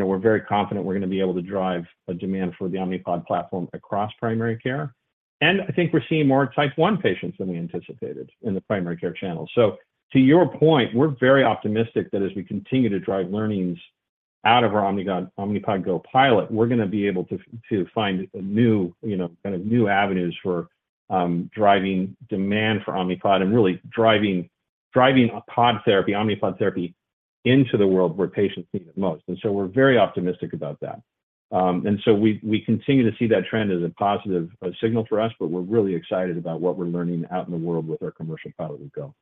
we're very confident we're going to be able to drive a demand for the Omnipod platform across primary care. And I think we're seeing more type one patients than we anticipated in the primary care channel. So to your point, we're very optimistic that as we continue to drive learnings out of our Omnipod GO pilot, we're going to be able to find kind of new avenues for driving demand for Omnipod and really driving Omnipod therapy into the world where patients need it most. We're very optimistic about that. We continue to see that trend as a positive signal for us, but we're really excited about what we're learning out in the world with our commercial pilot with GO.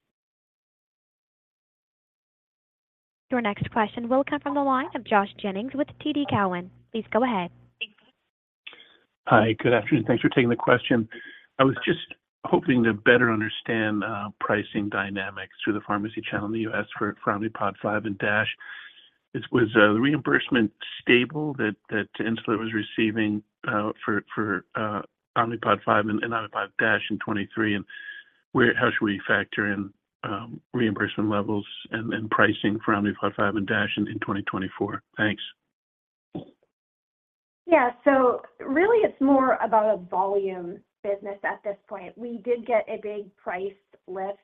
Your next question will come from the line of Josh Jennings with TD Cowen. Please go ahead. Hi, good afternoon. Thanks for taking the question. I was just hoping to better understand pricing dynamics through the pharmacy channel in the U.S. for Omnipod 5 and DASH. Was the reimbursement stable that Insulet was receiving for Omnipod 5 and Omnipod DASH in 2023? And how should we factor in reimbursement levels and pricing for Omnipod 5 and DASH in 2024? Thanks. Yeah. So really, it's more about a volume business at this point. We did get a big price lift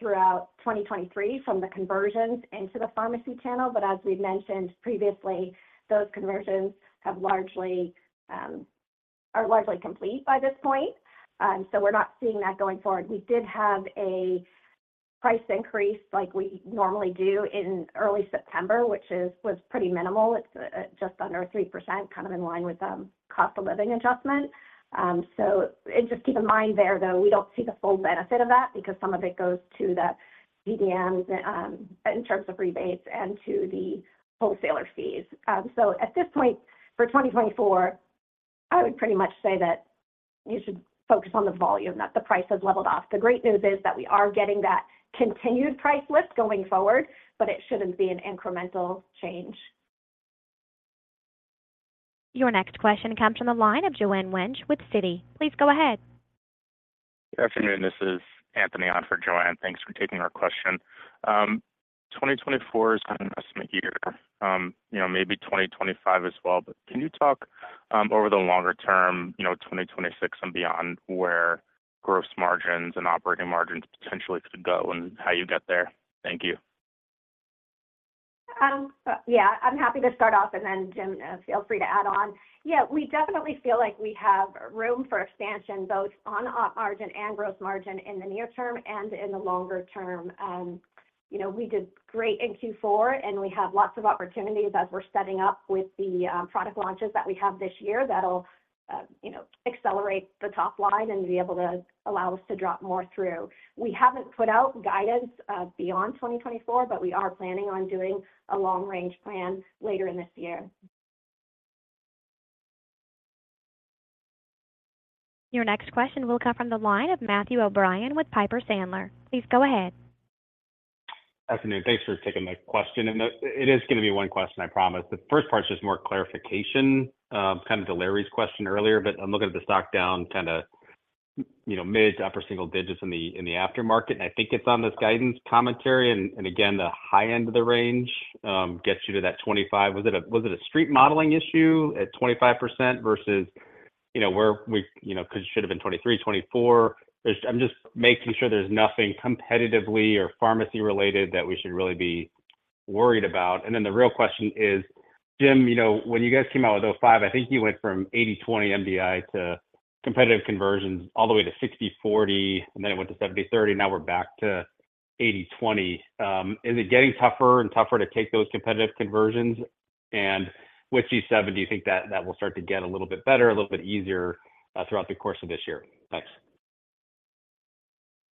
throughout 2023 from the conversions into the pharmacy channel. But as we've mentioned previously, those conversions are largely complete by this point, so we're not seeing that going forward. We did have a price increase like we normally do in early September, which was pretty minimal. It's just under 3%, kind of in line with cost of living adjustment. So just keep in mind there, though, we don't see the full benefit of that because some of it goes to the PBMs in terms of rebates and to the wholesaler fees. So at this point for 2024, I would pretty much say that you should focus on the volume, that the price has leveled off. The great news is that we are getting that continued price lift going forward, but it shouldn't be an incremental change. Your next question comes from the line of Joanne Wuensch with Citi. Please go ahead. Good afternoon. This is Anthony on for Joanne. Thanks for taking our question. 2024 is kind of an estimate year, maybe 2025 as well, but can you talk over the longer term, 2026 and beyond, where gross margins and operating margins potentially could go and how you get there? Thank you. Yeah, I'm happy to start off, and then Jim, feel free to add on. Yeah, we definitely feel like we have room for expansion both in operating margin and gross margin in the near term and in the longer term. We did great in Q4, and we have lots of opportunities as we're setting up with the product launches that we have this year that'll accelerate the top line and be able to allow us to drop more through. We haven't put out guidance beyond 2024, but we are planning on doing a long-range plan later in this year. Your next question will come from the line of Matthew O'Brien with Piper Sandler. Please go ahead. Afternoon. Thanks for taking the question. It is going to be one question, I promise. The first part is just more clarification, kind of to Larry's question earlier, but I'm looking at the stock down kind of mid to upper single digits in the aftermarket. I think it's on this guidance commentary. Again, the high end of the range gets you to that 25%. Was it a street modeling issue at 25% versus where we should have been 23%, 24%? I'm just making sure there's nothing competitively or pharmacy-related that we should really be worried about. Then the real question is, Jim, when you guys came out with O5, I think you went from 80/20 MDI to competitive conversions all the way to 60/40, and then it went to 70/30. Now we're back to 80/20. Is it getting tougher and tougher to take those competitive conversions? With G7, do you think that will start to get a little bit better, a little bit easier throughout the course of this year? Thanks.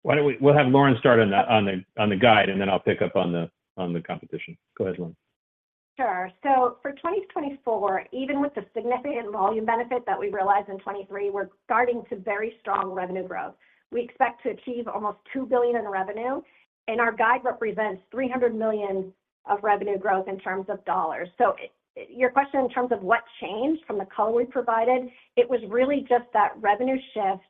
We'll have Lauren start on the guide, and then I'll pick up on the competition. Go ahead, Lauren. Sure. So for 2024, even with the significant volume benefit that we realized in 2023, we're starting to very strong revenue growth. We expect to achieve almost $2 billion in revenue, and our guide represents $300 million of revenue growth in terms of dollars. So your question in terms of what changed from the color we provided, it was really just that revenue shift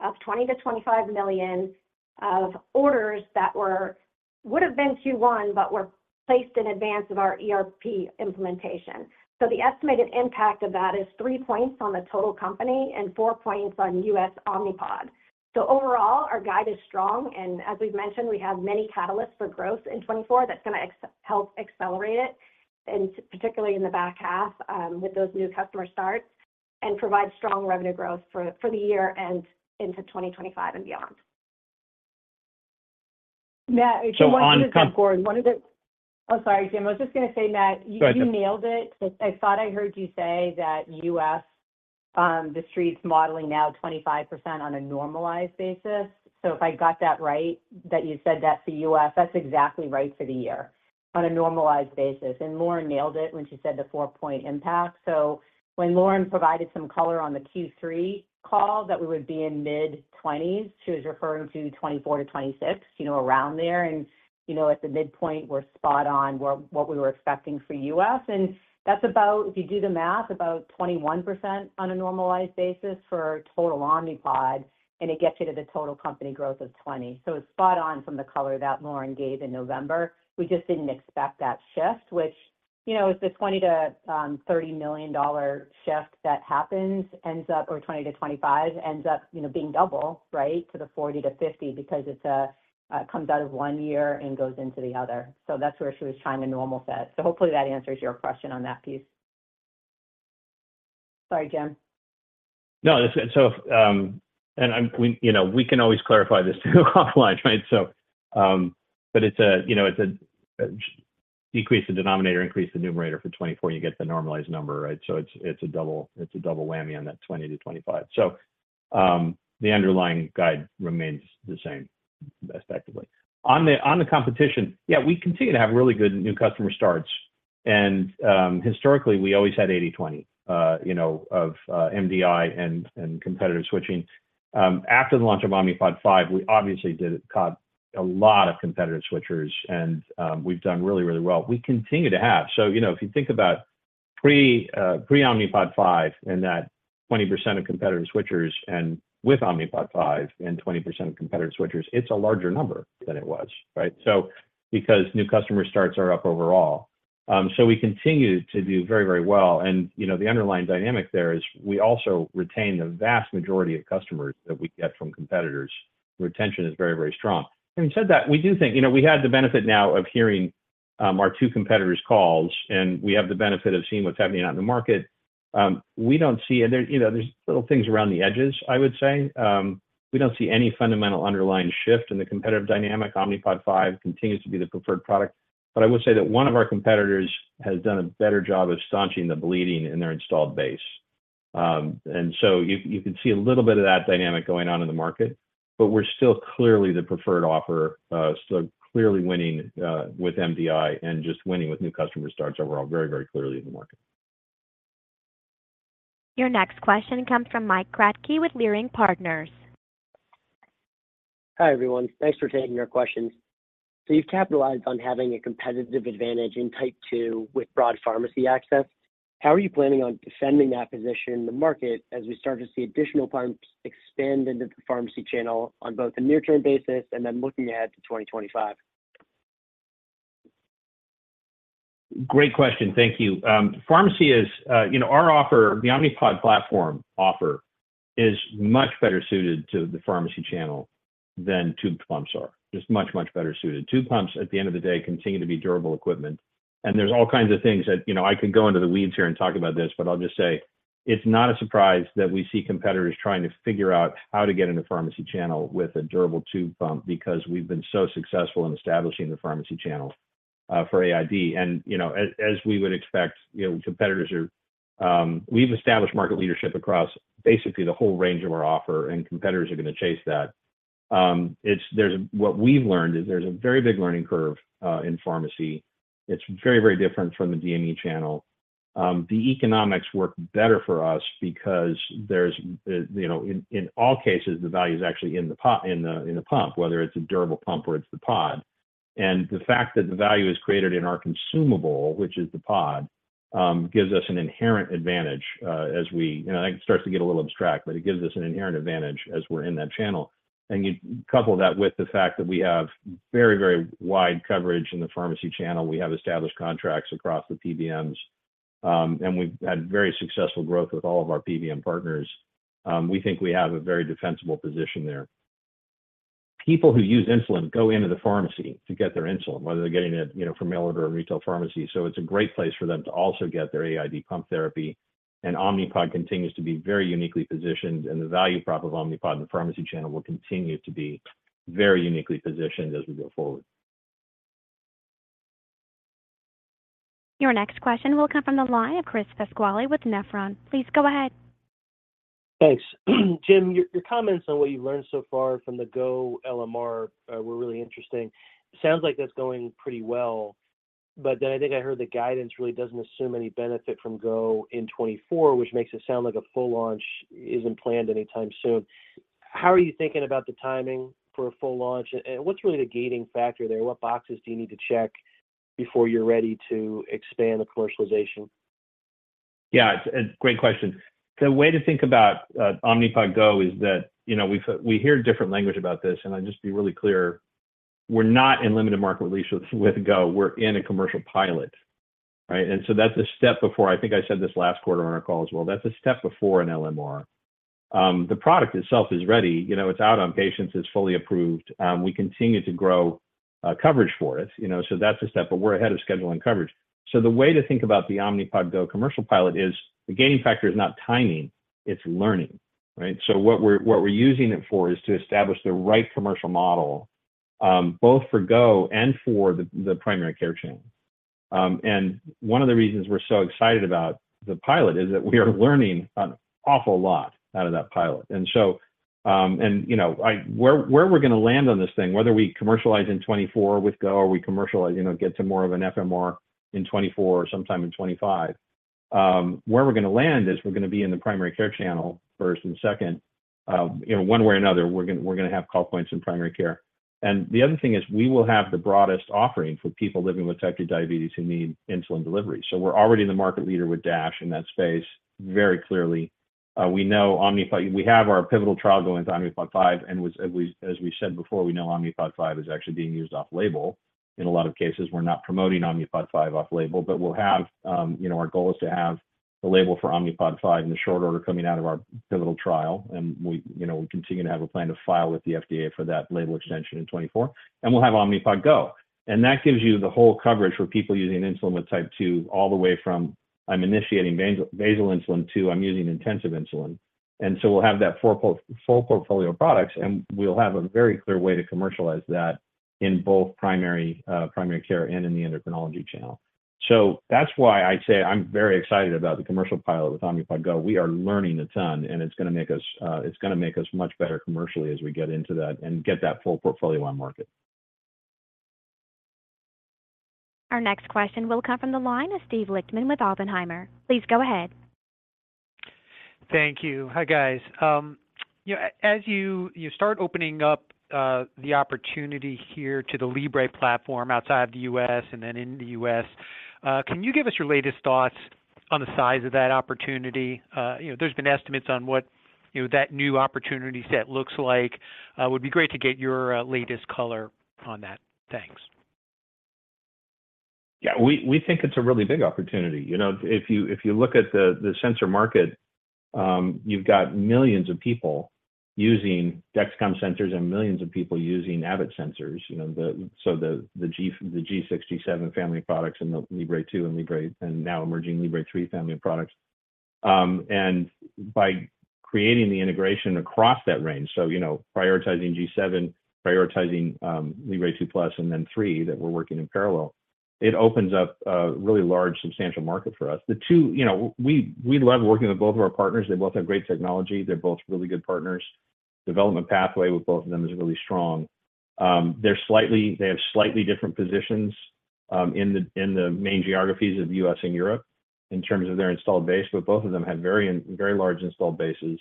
of $20 million-25 million of orders that would have been Q1 but were placed in advance of our ERP implementation. So the estimated impact of that is three points on the total company and four points on U.S. Omnipod. So overall, our guide is strong. As we've mentioned, we have many catalysts for growth in 2024 that's going to help accelerate it, particularly in the back half with those new customer starts, and provide strong revenue growth for the year and into 2025 and beyond. So on. Oh, sorry, Jim. I was just going to say, Matt, you nailed it. I thought I heard you say that U.S. Street's modeling now 25% on a normalized basis. So if I got that right, that you said that for U.S., that's exactly right for the year on a normalized basis. And Lauren nailed it when she said the four-point impact. So when Lauren provided some color on the Q3 call that we would be in mid-20s, she was referring to 2024 to 2026, around there. And at the midpoint, we're spot on what we were expecting for U.S. And that's about, if you do the math, about 21% on a normalized basis for total Omnipod, and it gets you to the total company growth of 20%. So it's spot on from the color that Lauren gave in November. We just didn't expect that shift, which if the $20 million-$30 million shift that happens ends up or $20 million-$25 million ends up being double, right, to the $40 million-$50 million because it comes out of one year and goes into the other. So that's where she was trying to normal set. So hopefully, that answers your question on that piece. Sorry, Jim. No, that's good. And we can always clarify this too offline, right? But it's a decrease the denominator, increase the numerator for 2024, you get the normalized number, right? So it's a double whammy on that 20-25. So the underlying guide remains the same effectively. On the competition, yeah, we continue to have really good new customer starts. And historically, we always had 80/20 of MDI and competitive switching. After the launch of Omnipod 5, we obviously caught a lot of competitive switchers, and we've done really, really well. We continue to have. So if you think about pre-Omnipod 5 and that 20% of competitive switchers and with Omnipod 5 and 20% of competitive switchers, it's a larger number than it was, right, because new customer starts are up overall. So we continue to do very, very well. The underlying dynamic there is we also retain the vast majority of customers that we get from competitors. Retention is very, very strong. Having said that, we do think we had the benefit now of hearing our two competitors' calls, and we have the benefit of seeing what's happening out in the market. We don't see, and there's little things around the edges, I would say. We don't see any fundamental underlying shift in the competitive dynamic. Omnipod 5 continues to be the preferred product. But I would say that one of our competitors has done a better job of staunching the bleeding in their installed base. And so you can see a little bit of that dynamic going on in the market, but we're still clearly the preferred offer, still clearly winning with MDI and just winning with new customer starts overall, very, very clearly in the market. Your next question comes from Mike Kratky with Leerink Partners. Hi, everyone. Thanks for taking your questions. So you've capitalized on having a competitive advantage in type two with broad pharmacy access. How are you planning on defending that position in the market as we start to see additional pumps expand into the pharmacy channel on both a near-term basis and then looking ahead to 2025? Great question. Thank you. Pharmacy is our offer, the Omnipod platform offer is much better suited to the pharmacy channel than tube pumps are, just much, much better suited. Tube pumps, at the end of the day, continue to be durable equipment. And there's all kinds of things that I could go into the weeds here and talk about this, but I'll just say it's not a surprise that we see competitors trying to figure out how to get into pharmacy channel with a durable tube pump because we've been so successful in establishing the pharmacy channel for AID. And as we would expect, competitors are. We've established market leadership across basically the whole range of our offer, and competitors are going to chase that. What we've learned is there's a very big learning curve in pharmacy. It's very, very different from the DME channel. The economics work better for us because in all cases, the value is actually in the pump, whether it's a durable pump or it's the pod. The fact that the value is created in our consumable, which is the pod, gives us an inherent advantage as we that starts to get a little abstract, but it gives us an inherent advantage as we're in that channel. You couple that with the fact that we have very, very wide coverage in the pharmacy channel. We have established contracts across the PBMs, and we've had very successful growth with all of our PBM partners. We think we have a very defensible position there. People who use insulin go into the pharmacy to get their insulin, whether they're getting it from mail order or retail pharmacy. So it's a great place for them to also get their AID pump therapy. Omnipod continues to be very uniquely positioned, and the value prop of Omnipod in the pharmacy channel will continue to be very uniquely positioned as we go forward. Your next question will come from the line of Chris Pasquale with Nephron. Please go ahead. Thanks. Jim, your comments on what you've learned so far from the GO LMR were really interesting. Sounds like that's going pretty well. But then I think I heard the guidance really doesn't assume any benefit from GO in 2024, which makes it sound like a full launch isn't planned anytime soon. How are you thinking about the timing for a full launch? And what's really the gating factor there? What boxes do you need to check before you're ready to expand the commercialization? Yeah, great question. The way to think about Omnipod GO is that we hear different language about this. And I'll just be really clear. We're not in limited market release with GO. We're in a commercial pilot, right? And so that's a step before I think I said this last quarter on our call as well. That's a step before an LMR. The product itself is ready. It's out on patients. It's fully approved. We continue to grow coverage for it. So that's a step. But we're ahead of scheduling coverage. So the way to think about the Omnipod GO commercial pilot is the gaining factor is not timing. It's learning, right? So what we're using it for is to establish the right commercial model both for GO and for the primary care channel. One of the reasons we're so excited about the pilot is that we are learning an awful lot out of that pilot. And where we're going to land on this thing, whether we commercialize in 2024 with GO or we commercialize get to more of an FMR in 2024 or sometime in 2025, where we're going to land is we're going to be in the primary care channel first and second. One way or another, we're going to have call points in primary care. And the other thing is we will have the broadest offering for people living with type two diabetes who need insulin delivery. So we're already the market leader with DASH in that space very clearly. We know Omnipod we have our pivotal trial going with Omnipod 5. As we said before, we know Omnipod 5 is actually being used off-label in a lot of cases. We're not promoting Omnipod 5 off-label, but we'll have our goal is to have the label for Omnipod 5 in the short order coming out of our pivotal trial. We continue to have a plan to file with the FDA for that label extension in 2024. We'll have Omnipod GO. That gives you the whole coverage for people using insulin with type two all the way from I'm initiating basal insulin to I'm using intensive insulin. So we'll have that full portfolio of products, and we'll have a very clear way to commercialize that in both primary care and in the endocrinology channel. So that's why I say I'm very excited about the commercial pilot with Omnipod GO. We are learning a ton, and it's going to make us much better commercially as we get into that and get that full portfolio on market. Our next question will come from the line of Steve Lichtman with Oppenheimer. Please go ahead. Thank you. Hi, guys. As you start opening up the opportunity here to the Libre platform outside of the U.S. and then in the U.S., can you give us your latest thoughts on the size of that opportunity? There's been estimates on what that new opportunity set looks like. It would be great to get your latest color on that. Thanks. Yeah, we think it's a really big opportunity. If you look at the sensor market, you've got millions of people using Dexcom sensors and millions of people using Abbott sensors, so the G6, G7 family of products, and the Libre 2 and Libre and now emerging Libre 3 family of products. And by creating the integration across that range, so prioritizing G7, prioritizing Libre 2 Plus, and then 3 that we're working in parallel, it opens up a really large, substantial market for us. The two we love working with both of our partners. They both have great technology. They're both really good partners. Development pathway with both of them is really strong. They have slightly different positions in the main geographies of the U.S. and Europe in terms of their installed base, but both of them have very large installed bases.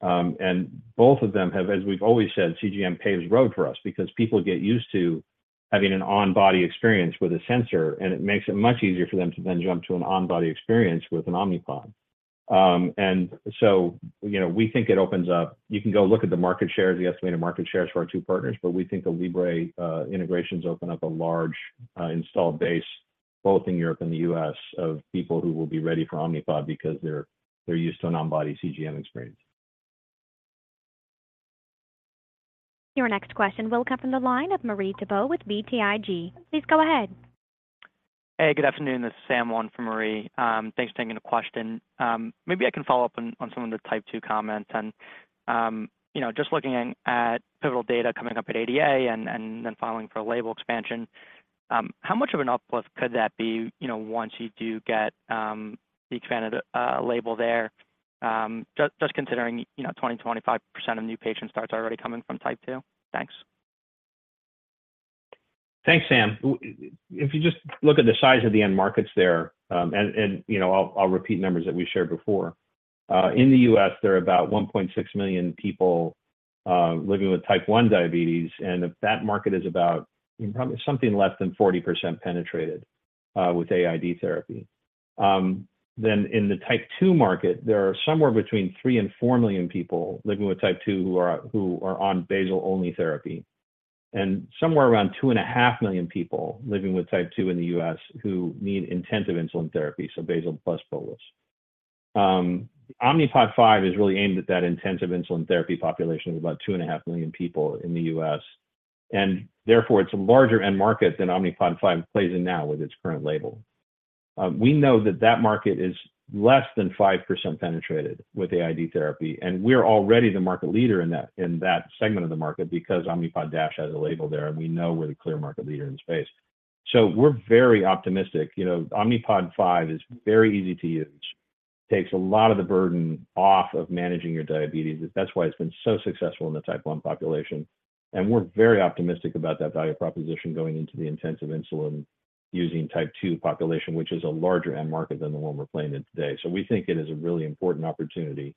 Both of them have, as we've always said, CGM paves road for us because people get used to having an on-body experience with a sensor, and it makes it much easier for them to then jump to an on-body experience with an Omnipod. So we think it opens up. You can go look at the market shares, the estimated market shares for our two partners, but we think the Libre integrations open up a large installed base both in Europe and the U.S. of people who will be ready for Omnipod because they're used to an on-body CGM experience. Your next question will come from the line of Marie Thibault with BTIG. Please go ahead. Hey, good afternoon. This is Sam on for Marie. Thanks for taking the question. Maybe I can follow up on some of the type two comments. Just looking at pivotal data coming up at ADA and then filing for a label expansion, how much of an uplift could that be once you do get the expanded label there, just considering 20%-25% of new patient starts already coming from type two? Thanks. Thanks, Sam. If you just look at the size of the end markets there, and I'll repeat numbers that we shared before, in the U.S., there are about 1.6 million people living with type one diabetes. And if that market is about probably something less than 40% penetrated with AID therapy, then in the type two market, there are somewhere between three to four million people living with type two who are on basal-only therapy and somewhere around two and a half million people living with type two in the U.S. who need intensive insulin therapy, so basal plus bolus. Omnipod 5 is really aimed at that intensive insulin therapy population of about two and a half million people in the U.S., and therefore, it's a larger end market than Omnipod 5 plays in now with its current label. We know that that market is less than 5% penetrated with AID therapy, and we're already the market leader in that segment of the market because Omnipod DASH has a label there, and we know we're the clear market leader in the space. So we're very optimistic. Omnipod 5 is very easy to use, takes a lot of the burden off of managing your diabetes. That's why it's been so successful in the type one population. And we're very optimistic about that value proposition going into the intensive insulin using type two population, which is a larger end market than the one we're playing in today. So we think it is a really important opportunity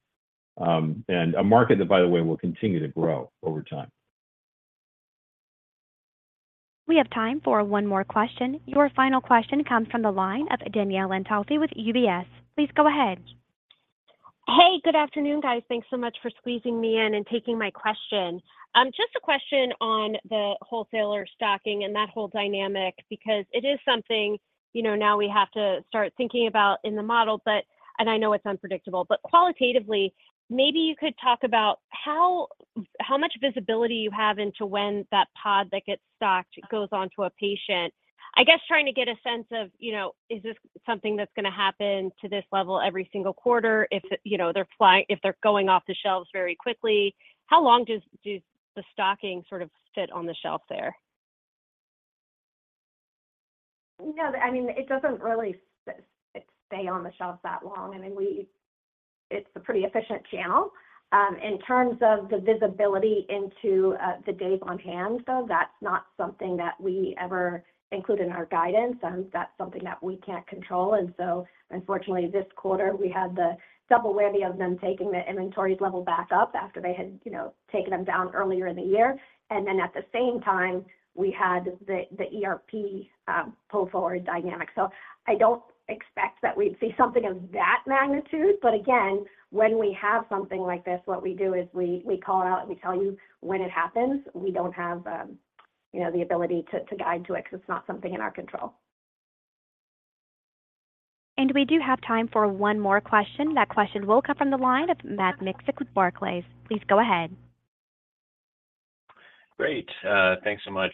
and a market that, by the way, will continue to grow over time. We have time for one more question. Your final question comes from the line of Danielle Antalffy with UBS. Please go ahead. Hey, good afternoon, guys. Thanks so much for squeezing me in and taking my question. Just a question on the wholesaler stocking and that whole dynamic because it is something now we have to start thinking about in the model, and I know it's unpredictable. But qualitatively, maybe you could talk about how much visibility you have into when that pod that gets stocked goes onto a patient. I guess trying to get a sense of, is this something that's going to happen to this level every single quarter? If they're going off the shelves very quickly, how long does the stocking sort of fit on the shelf there? Yeah, I mean, it doesn't really stay on the shelves that long. I mean, it's a pretty efficient channel. In terms of the visibility into the days on hand, though, that's not something that we ever include in our guidance. That's something that we can't control. And so unfortunately, this quarter, we had the double whammy of them taking the inventory level back up after they had taken them down earlier in the year. And then at the same time, we had the ERP pull forward dynamic. So I don't expect that we'd see something of that magnitude. But again, when we have something like this, what we do is we call it out, and we tell you when it happens. We don't have the ability to guide to it because it's not something in our control. We do have time for one more question. That question will come from the line of Matt Miksic with Barclays. Please go ahead. Great. Thanks so much.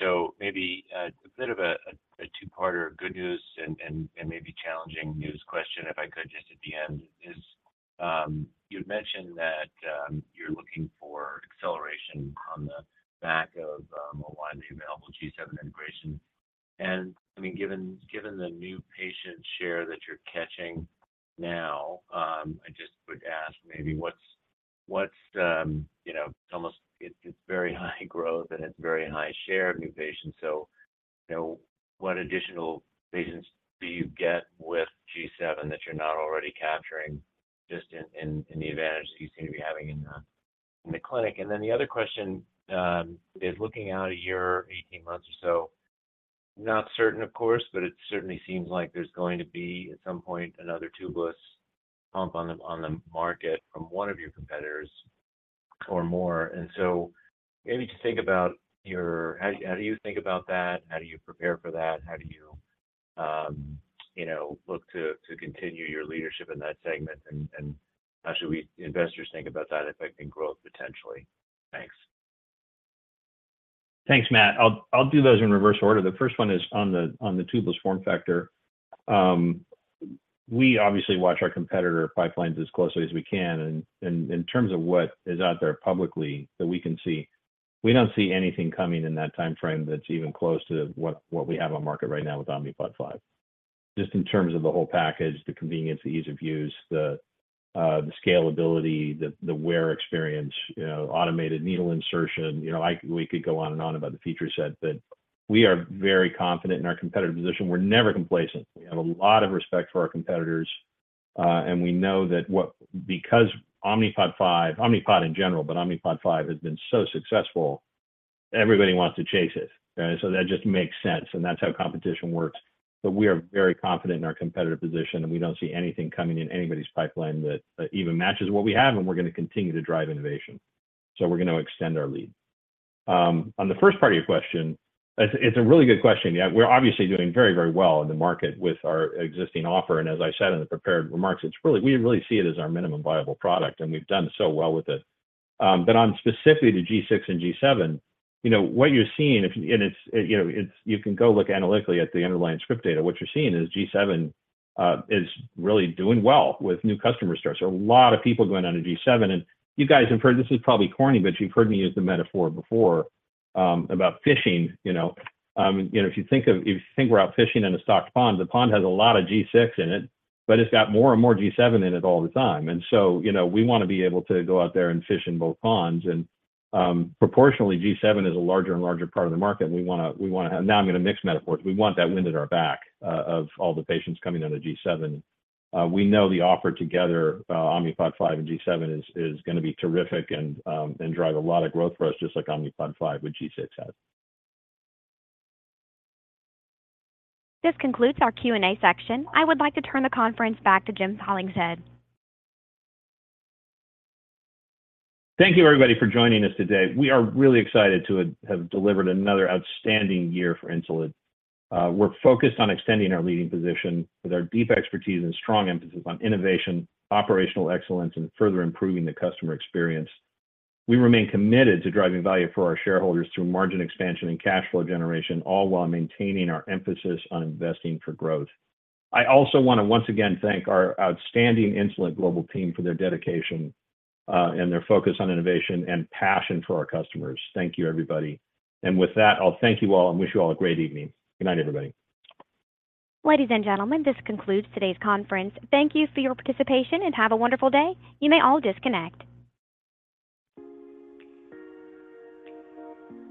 So maybe a bit of a two-parter, good news and maybe challenging news question, if I could, just at the end. You had mentioned that you're looking for acceleration on the back of a widening available G7 integration. And I mean, given the new patient share that you're catching now, I just would ask maybe what is it. Almost, it's very high growth, and it's very high share of new patients. So what additional patients do you get with G7 that you're not already capturing just in the advantage that you seem to be having in the clinic? And then the other question is looking out a year, 18 months or so. Not certain, of course, but it certainly seems like there's going to be at some point another tubeless pump on the market from one of your competitors or more. Maybe to think about your how do you think about that? How do you prepare for that? How do you look to continue your leadership in that segment? And how should we investors think about that affecting growth potentially? Thanks. Thanks, Matt. I'll do those in reverse order. The first one is on the tubeless form factor. We obviously watch our competitor pipelines as closely as we can. And in terms of what is out there publicly that we can see, we don't see anything coming in that timeframe that's even close to what we have on market right now with Omnipod 5, just in terms of the whole package, the convenience, the ease of use, the scalability, the wear experience, automated needle insertion. We could go on and on about the feature set, but we are very confident in our confident in our competitive position. We're never complacent. We have a lot of respect for our competitors. And we know that because Omnipod 5 Omnipod in general, but Omnipod 5 has been so successful, everybody wants to chase it, right? So that just makes sense. And that's how competition works. But we are very confident in our competitive position, and we don't see anything coming in anybody's pipeline that even matches what we have. And we're going to continue to drive innovation. So we're going to extend our lead. On the first part of your question, it's a really good question. Yeah, we're obviously doing very, very well in the market with our existing offer. And as I said in the prepared remarks, we really see it as our minimum viable product, and we've done so well with it. But specifically to G6 and G7, what you're seeing, and you can go look analytically at the underlying script data. What you're seeing is G7 is really doing well with new customer starts. There are a lot of people going on to G7. You guys have heard this is probably corny, but you've heard me use the metaphor before about fishing. If you think we're out fishing in a stocked pond, the pond has a lot of G6 in it, but it's got more and more G7 in it all the time. And so we want to be able to go out there and fish in both ponds. And proportionally, G7 is a larger and larger part of the market. And we want to have. Now I'm going to mix metaphors. We want that wind at our back of all the patients coming on to G7. We know the offer together, Omnipod 5 and G7, is going to be terrific and drive a lot of growth for us, just like Omnipod 5 with G6 has. This concludes our Q&A section. I would like to turn the conference back to Jim Hollingshead. Thank you, everybody, for joining us today. We are really excited to have delivered another outstanding year for Insulet. We're focused on extending our leading position with our deep expertise and strong emphasis on innovation, operational excellence, and further improving the customer experience. We remain committed to driving value for our shareholders through margin expansion and cash flow generation, all while maintaining our emphasis on investing for growth. I also want to once again thank our outstanding Insulet global team for their dedication and their focus on innovation and passion for our customers. Thank you, everybody. With that, I'll thank you all and wish you all a great evening. Good night, everybody. Ladies and gentlemen, this concludes today's conference. Thank you for your participation, and have a wonderful day. You may all disconnect.